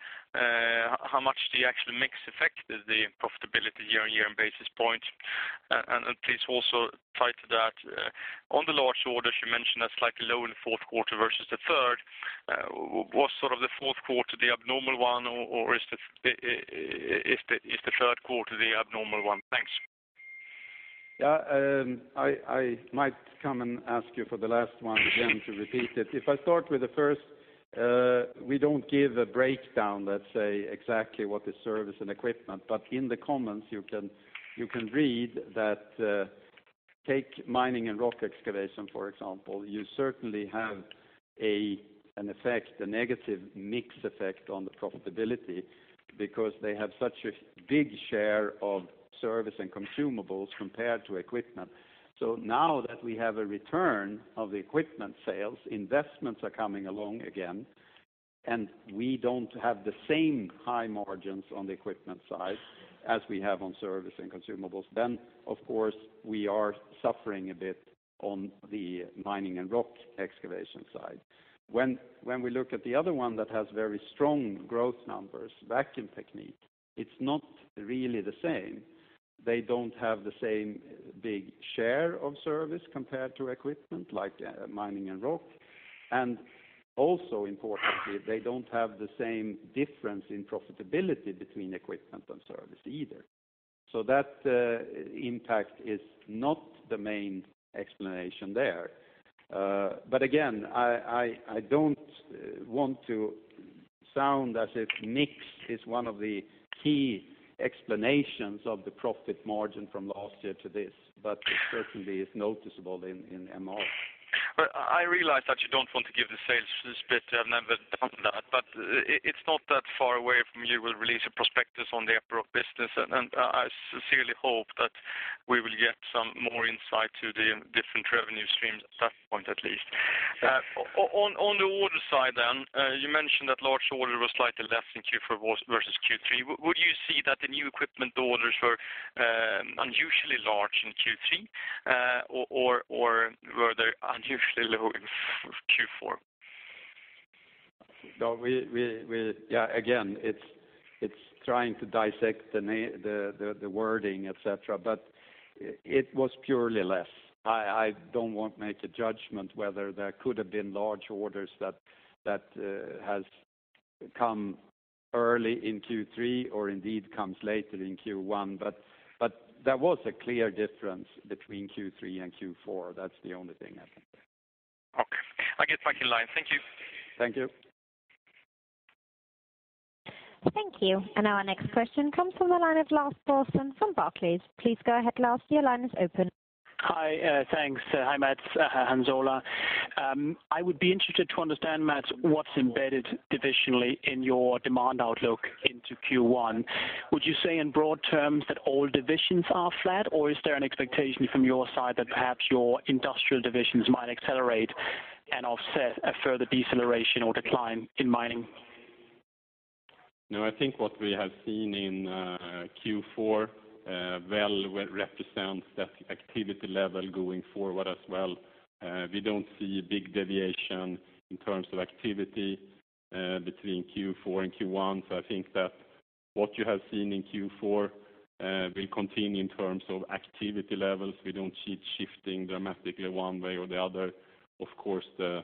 how much the actual mix affected the profitability year-on-year in basis points. Please also tie to that, on the large orders, you mentioned a slightly low in the fourth quarter versus the third. Was the fourth quarter the abnormal one, or is the third quarter the abnormal one? Thanks. I might come and ask you for the last one again to repeat it. If I start with the first, we don't give a breakdown, let's say, exactly what is service and equipment, but in the comments you can read that, take Mining and Rock Excavation, for example. You certainly have an effect, a negative mix effect on the profitability because they have such a big share of service and consumables compared to equipment. Now that we have a return of the equipment sales, investments are coming along again, and we don't have the same high margins on the equipment side as we have on service and consumables. Of course, we are suffering a bit on the Mining and Rock Excavation side. When we look at the other one that has very strong growth numbers, Vacuum Technique, it's not really the same. They don't have the same big share of service compared to equipment like Mining and Rock. Also importantly, they don't have the same difference in profitability between equipment and service either. That impact is not the main explanation there. Again, I don't want to Sound as if mix is one of the key explanations of the profit margin from last year to this, but it certainly is noticeable in MR. I realize that you don't want to give the sales split. I've never done that, it's not that far away from you will release a prospectus on the [appropriate] business, and I sincerely hope that we will get some more insight to the different revenue streams at that point at least. On the order side, you mentioned that large order was slightly less in Q4 versus Q3. Would you see that the new equipment orders were unusually large in Q3? Or were they unusually low in Q4? Again, it's trying to dissect the wording, et cetera, it was purely less. I don't want to make a judgment whether there could have been large orders that has come early in Q3 or indeed comes later in Q1. There was a clear difference between Q3 and Q4. That's the only thing I can say. Okay. I get back in line. Thank you. Thank you. Thank you. Our next question comes from the line of Lars Brorson from Barclays. Please go ahead, Lars, your line is open. Hi, thanks. Hi, Mats, Hans Ola. I would be interested to understand, Mats, what's embedded divisionally in your demand outlook into Q1. Would you say in broad terms that all divisions are flat, or is there an expectation from your side that perhaps your industrial divisions might accelerate and offset a further deceleration or decline in mining? No, I think what we have seen in Q4, well represents that activity level going forward as well. We don't see a big deviation in terms of activity, between Q4 and Q1. I think that what you have seen in Q4, will continue in terms of activity levels. We don't see it shifting dramatically one way or the other. Of course, the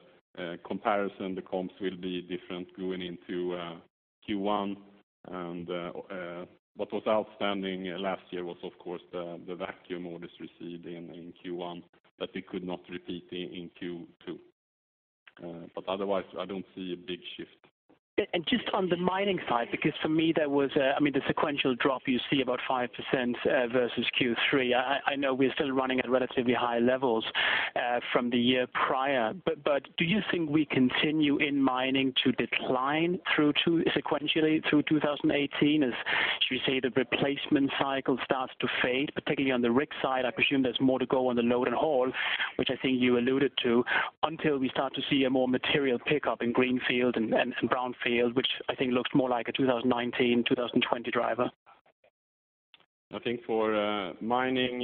comparison, the comps will be different going into Q1. What was outstanding last year was, of course, the vacuum orders received in Q1, that we could not repeat in Q2. Otherwise, I don't see a big shift. Just on the mining side, because for me, the sequential drop you see about 5% versus Q3. I know we're still running at relatively high levels, from the year prior. Do you think we continue in mining to decline sequentially through 2018 as should we say the replacement cycle starts to fade, particularly on the rig side? I presume there's more to go on the load and haul, which I think you alluded to, until we start to see a more material pickup in greenfield and brownfield, which I think looks more like a 2019, 2020 driver. I think for mining,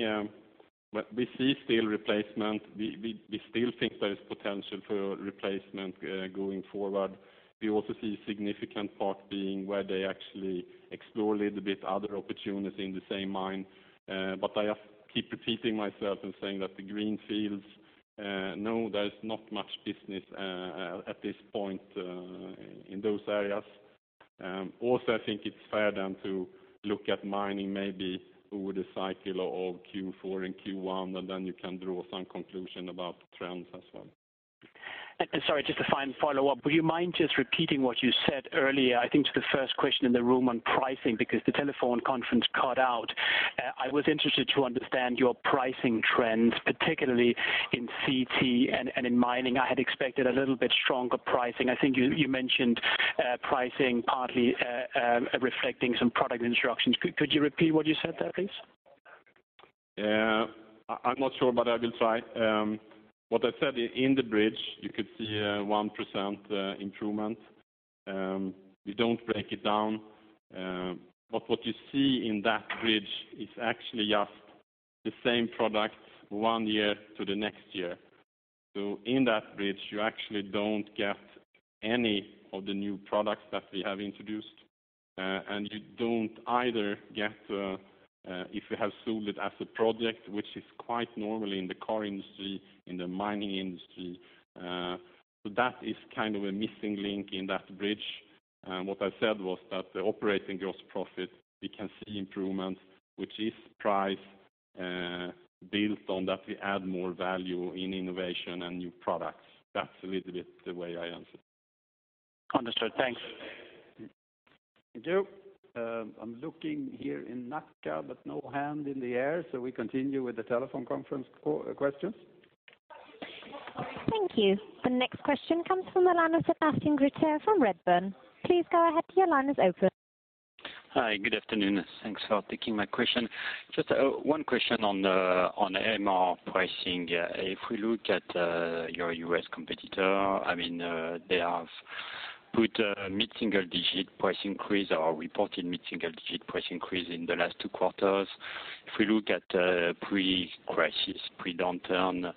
we see still replacement. We still think there is potential for replacement, going forward. We also see a significant part being where they actually explore a little bit other opportunity in the same mine. I have keep repeating myself and saying that the greenfields, no, there's not much business at this point in those areas. I think it's fair then to look at mining maybe over the cycle of Q4 and Q1, and then you can draw some conclusion about trends as well. Sorry, just a final follow-up. Would you mind just repeating what you said earlier, I think to the first question in the room on pricing, because the telephone conference cut out. I was interested to understand your pricing trends, particularly in CT and in mining. I had expected a little bit stronger pricing. I think you mentioned pricing partly reflecting some product introductions. Could you repeat what you said there, please? I'm not sure, I will try. What I said, in the bridge, you could see a 1% improvement. We don't break it down. What you see in that bridge is actually just the same products one year to the next year. In that bridge, you actually don't get any of the new products that we have introduced. You don't either get, if you have sold it as a project, which is quite normally in the car industry, in the mining industry. That is kind of a missing link in that bridge. What I said was that the operating gross profit, we can see improvements, which is price, built on that we add more value in innovation and new products. That's a little bit the way I answered. Understood. Thanks. Thank you. I'm looking here in Nacka, but no hand in the air. We continue with the telephone conference questions. Thank you. The next question comes from the line of Sebastien Griter from Redburn. Please go ahead, your line is open. Hi. Good afternoon. Thanks for taking my question. Just one question on MR pricing. If we look at your U.S. competitor, they have put a mid-single-digit price increase or reported mid-single-digit price increase in the last two quarters. If we look at pre-crisis, pre-downturn,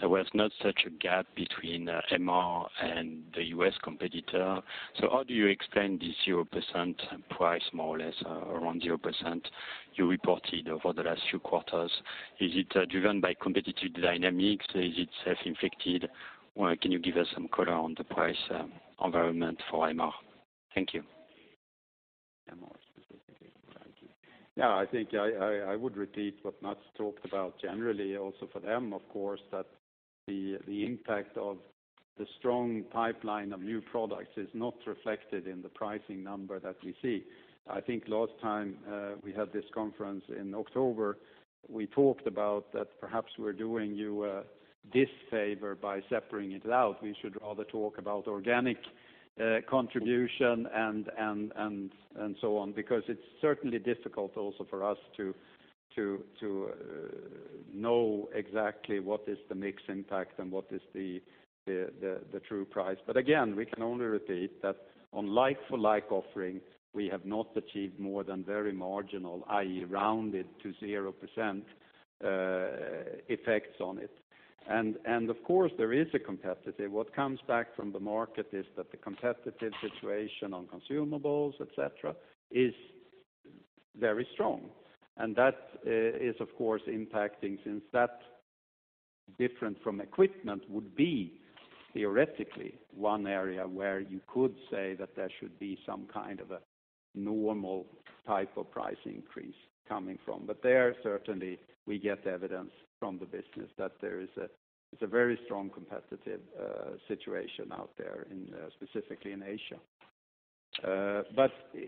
there was not such a gap between MR and the U.S. competitor. How do you explain this 0% price, more or less, around 0% you reported over the last few quarters? Is it driven by competitive dynamics? Is it self-inflicted? Can you give us some color on the price environment for MR? Thank you. I think I would repeat what Mats talked about generally also for them, of course, that the impact of the strong pipeline of new products is not reflected in the pricing number that we see. I think last time we had this conference in October, we talked about that perhaps we're doing you a disfavor by separating it out. We should rather talk about organic contribution and so on, because it's certainly difficult also for us to know exactly what is the mix impact and what is the true price. Again, we can only repeat that on like-for-like offering, we have not achieved more than very marginal, i.e., rounded to 0% effects on it. Of course, there is a competitive. What comes back from the market is that the competitive situation on consumables, et cetera, is very strong. That is, of course, impacting since that different from equipment would be theoretically one area where you could say that there should be some kind of a normal type of price increase coming from. There, certainly, we get evidence from the business that there is a very strong competitive situation out there, specifically in Asia.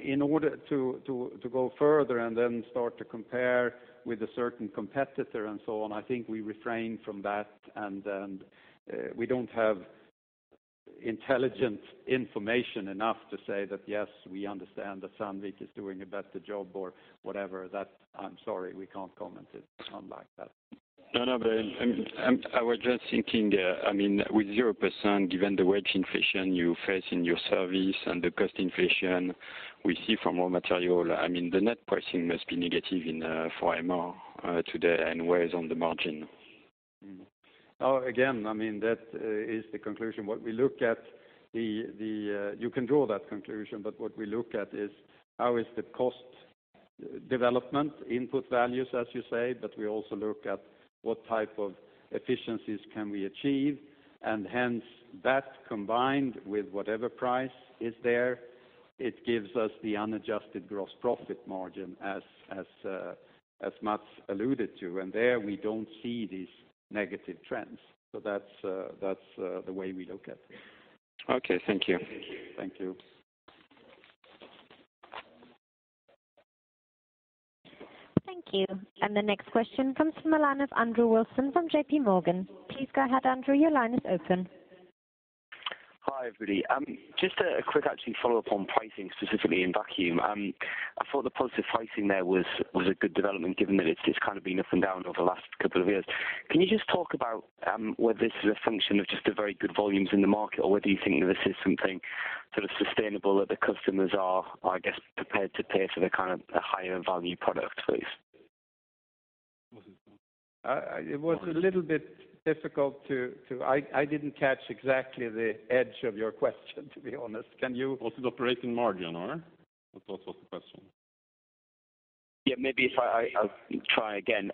In order to go further and then start to compare with a certain competitor and so on, I think we refrain from that, and then we don't have intelligent information enough to say that, "Yes, we understand that Sandvik is doing a better job or whatever." That, I'm sorry, we can't comment it on like that. I was just thinking, with 0%, given the wage inflation you face in your service and the cost inflation we see from raw material, the net pricing must be negative for MR today, and where is on the margin? Again, that is the conclusion. You can draw that conclusion, but what we look at is how is the cost development, input values, as you say, but we also look at what type of efficiencies can we achieve. Hence, that combined with whatever price is there, it gives us the unadjusted gross profit margin as Mats alluded to. There we don't see these negative trends. That's the way we look at it. Okay, thank you. Thank you. Thank you. The next question comes from the line of Andrew Wilson from JP Morgan. Please go ahead, Andrew. Your line is open. Hi, everybody. Just a quick actually follow-up on pricing, specifically in Vacuum. I thought the positive pricing there was a good development given that it's just kind of been up and down over the last couple of years. Can you just talk about whether this is a function of just the very good volumes in the market, or whether you think this is something sort of sustainable that the customers are, I guess, prepared to pay for the kind of a higher value product range? It was a little bit difficult. I didn't catch exactly the edge of your question, to be honest. Can you? Also the operating margin or? That was also the question. maybe if I try again.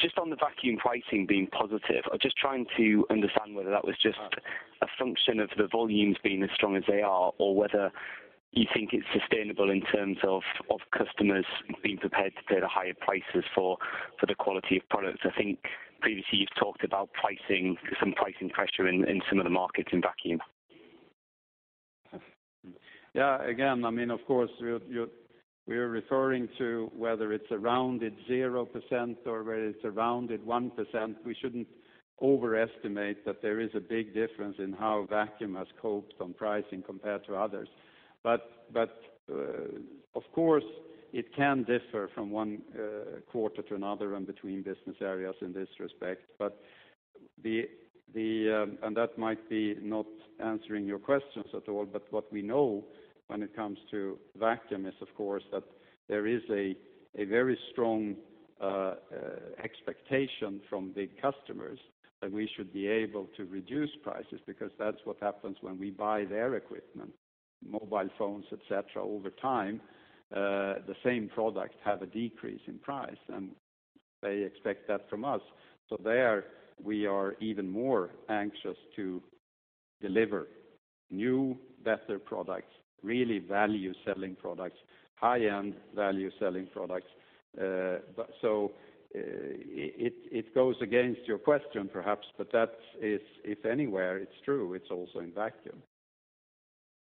Just on the Vacuum pricing being positive, I was just trying to understand whether that was just a function of the volumes being as strong as they are, or whether you think it's sustainable in terms of customers being prepared to pay the higher prices for the quality of products. I think previously you've talked about some pricing pressure in some of the markets in Vacuum. again, of course, we are referring to whether it's a rounded 0% or whether it's a rounded 1%. We shouldn't overestimate that there is a big difference in how Vacuum has coped on pricing compared to others. Of course, it can differ from one quarter to another and between business areas in this respect. That might be not answering your questions at all, but what we know when it comes to Vacuum is, of course, that there is a very strong expectation from big customers that we should be able to reduce prices, because that's what happens when we buy their equipment, mobile phones, et cetera, over time, the same product have a decrease in price, and they expect that from us. There we are even more anxious to deliver new, better products, really value-selling products, high-end value-selling products. It goes against your question, perhaps, but that if anywhere it's true, it's also in Vacuum.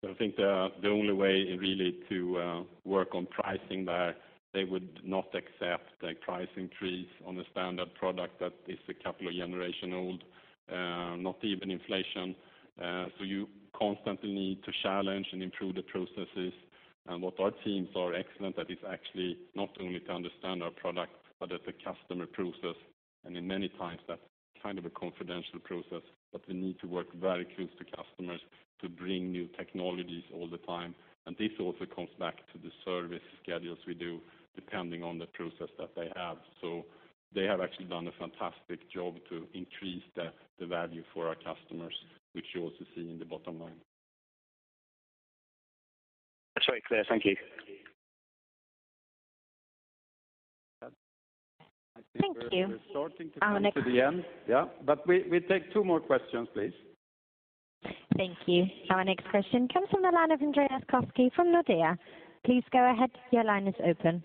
I think the only way really to work on pricing there, they would not accept the price increase on a standard product that is a couple of generation old, not even inflation. You constantly need to challenge and improve the processes. What our teams are excellent at is actually not only to understand our product, but at the customer process, and in many times that's kind of a confidential process, but we need to work very close to customers to bring new technologies all the time. This also comes back to the service schedules we do, depending on the process that they have. They have actually done a fantastic job to increase the value for our customers, which you also see in the bottom line. That's very clear. Thank you. Thank you. I think we're starting to come to the end. We take two more questions, please. Thank you. Our next question comes from the line of Andreas Koski from Nordea. Please go ahead. Your line is open.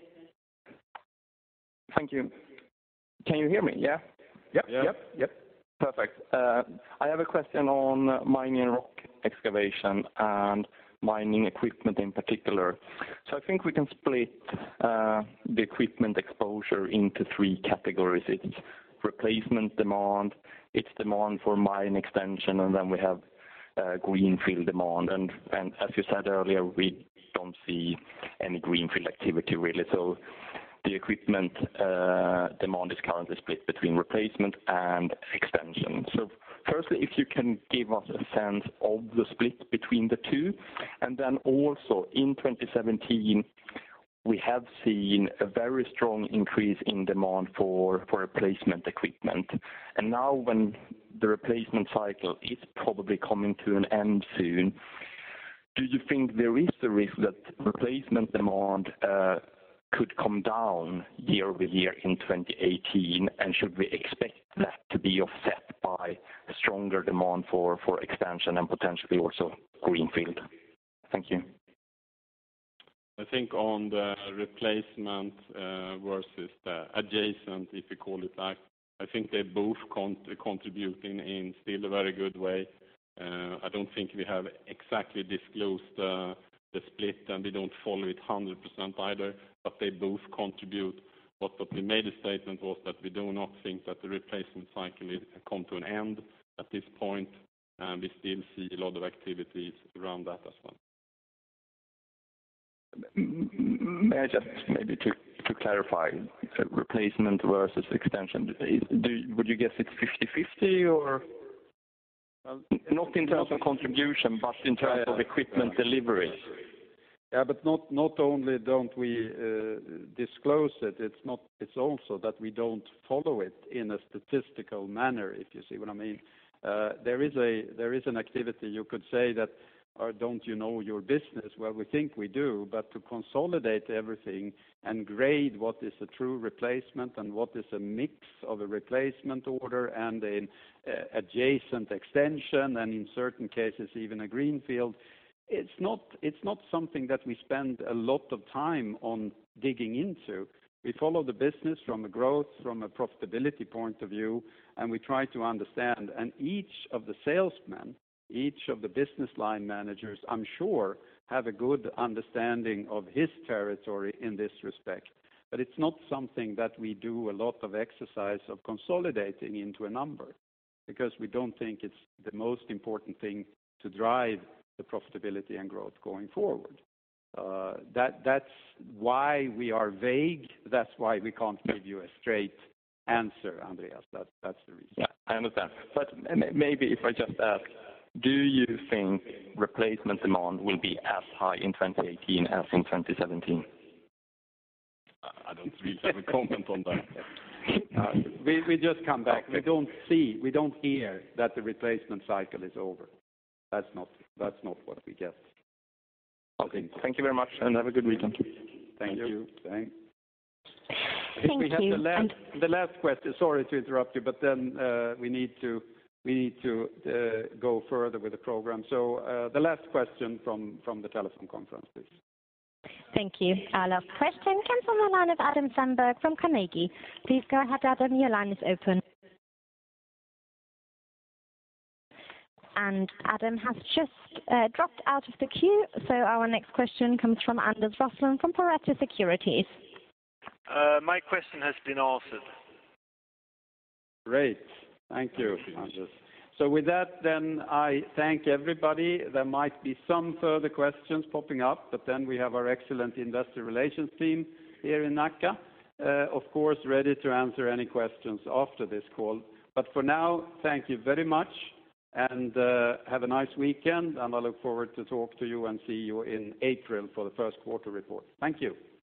Thank you. Can you hear me? Yeah? Yeah. Perfect. I have a question on Mining and Rock Excavation and mining equipment in particular. I think we can split the equipment exposure into 3 categories. It's replacement demand, it's demand for mine extension, and then we have greenfield demand. As you said earlier, we don't see any greenfield activity, really. The equipment demand is currently split between replacement and expansion. Firstly, if you can give us a sense of the split between the two, then also in 2017, we have seen a very strong increase in demand for replacement equipment. Now when the replacement cycle is probably coming to an end soon, do you think there is a risk that replacement demand could come down year-over-year in 2018? Should we expect that to be offset by stronger demand for expansion and potentially also greenfield? Thank you. I think on the replacement versus the adjacent, if you call it that, I think they're both contributing in still a very good way. I don't think we have exactly disclosed the split, and we don't follow it 100% either, but they both contribute. What we made a statement was that we do not think that the replacement cycle has come to an end at this point. We still see a lot of activities around that as well. May I just, maybe to clarify, replacement versus extension, would you guess it's 50/50 or? Not in terms of contribution, but in terms of equipment deliveries. Yeah, not only don't we disclose it's also that we don't follow it in a statistical manner, if you see what I mean. There is an activity you could say that, or don't you know your business? Well, we think we do, but to consolidate everything and grade what is a true replacement and what is a mix of a replacement order and an adjacent extension, and in certain cases, even a greenfield, it's not something that we spend a lot of time on digging into. We follow the business from a growth, from a profitability point of view, and we try to understand. Each of the salesmen, each of the business line managers, I'm sure have a good understanding of his territory in this respect. It's not something that we do a lot of exercise of consolidating into a number, because we don't think it's the most important thing to drive the profitability and growth going forward. That's why we are vague. That's why we can't give you a straight answer, Andreas. That's the reason. Yeah, I understand. Maybe if I just ask, do you think replacement demand will be as high in 2018 as in 2017? I don't really have a comment on that. We just come back. We don't see, we don't hear that the replacement cycle is over. That's not what we get. Okay. Thank you very much and have a good weekend. Thank you. Thank you. I think we have the last question. Sorry to interrupt you, we need to go further with the program. The last question from the telephone conference, please. Thank you. Our last question comes from the line of Adam Samberg from Carnegie. Please go ahead, Adam. Your line is open. Adam has just dropped out of the queue, our next question comes from Anders Roslund from Pareto Securities. My question has been answered. Great. Thank you, Anders. With that I thank everybody. There might be some further questions popping up, we have our excellent industrial relations team here in Nacka, of course, ready to answer any questions after this call. For now, thank you very much and have a nice weekend, and I look forward to talk to you and see you in April for the first quarter report. Thank you. Thank you.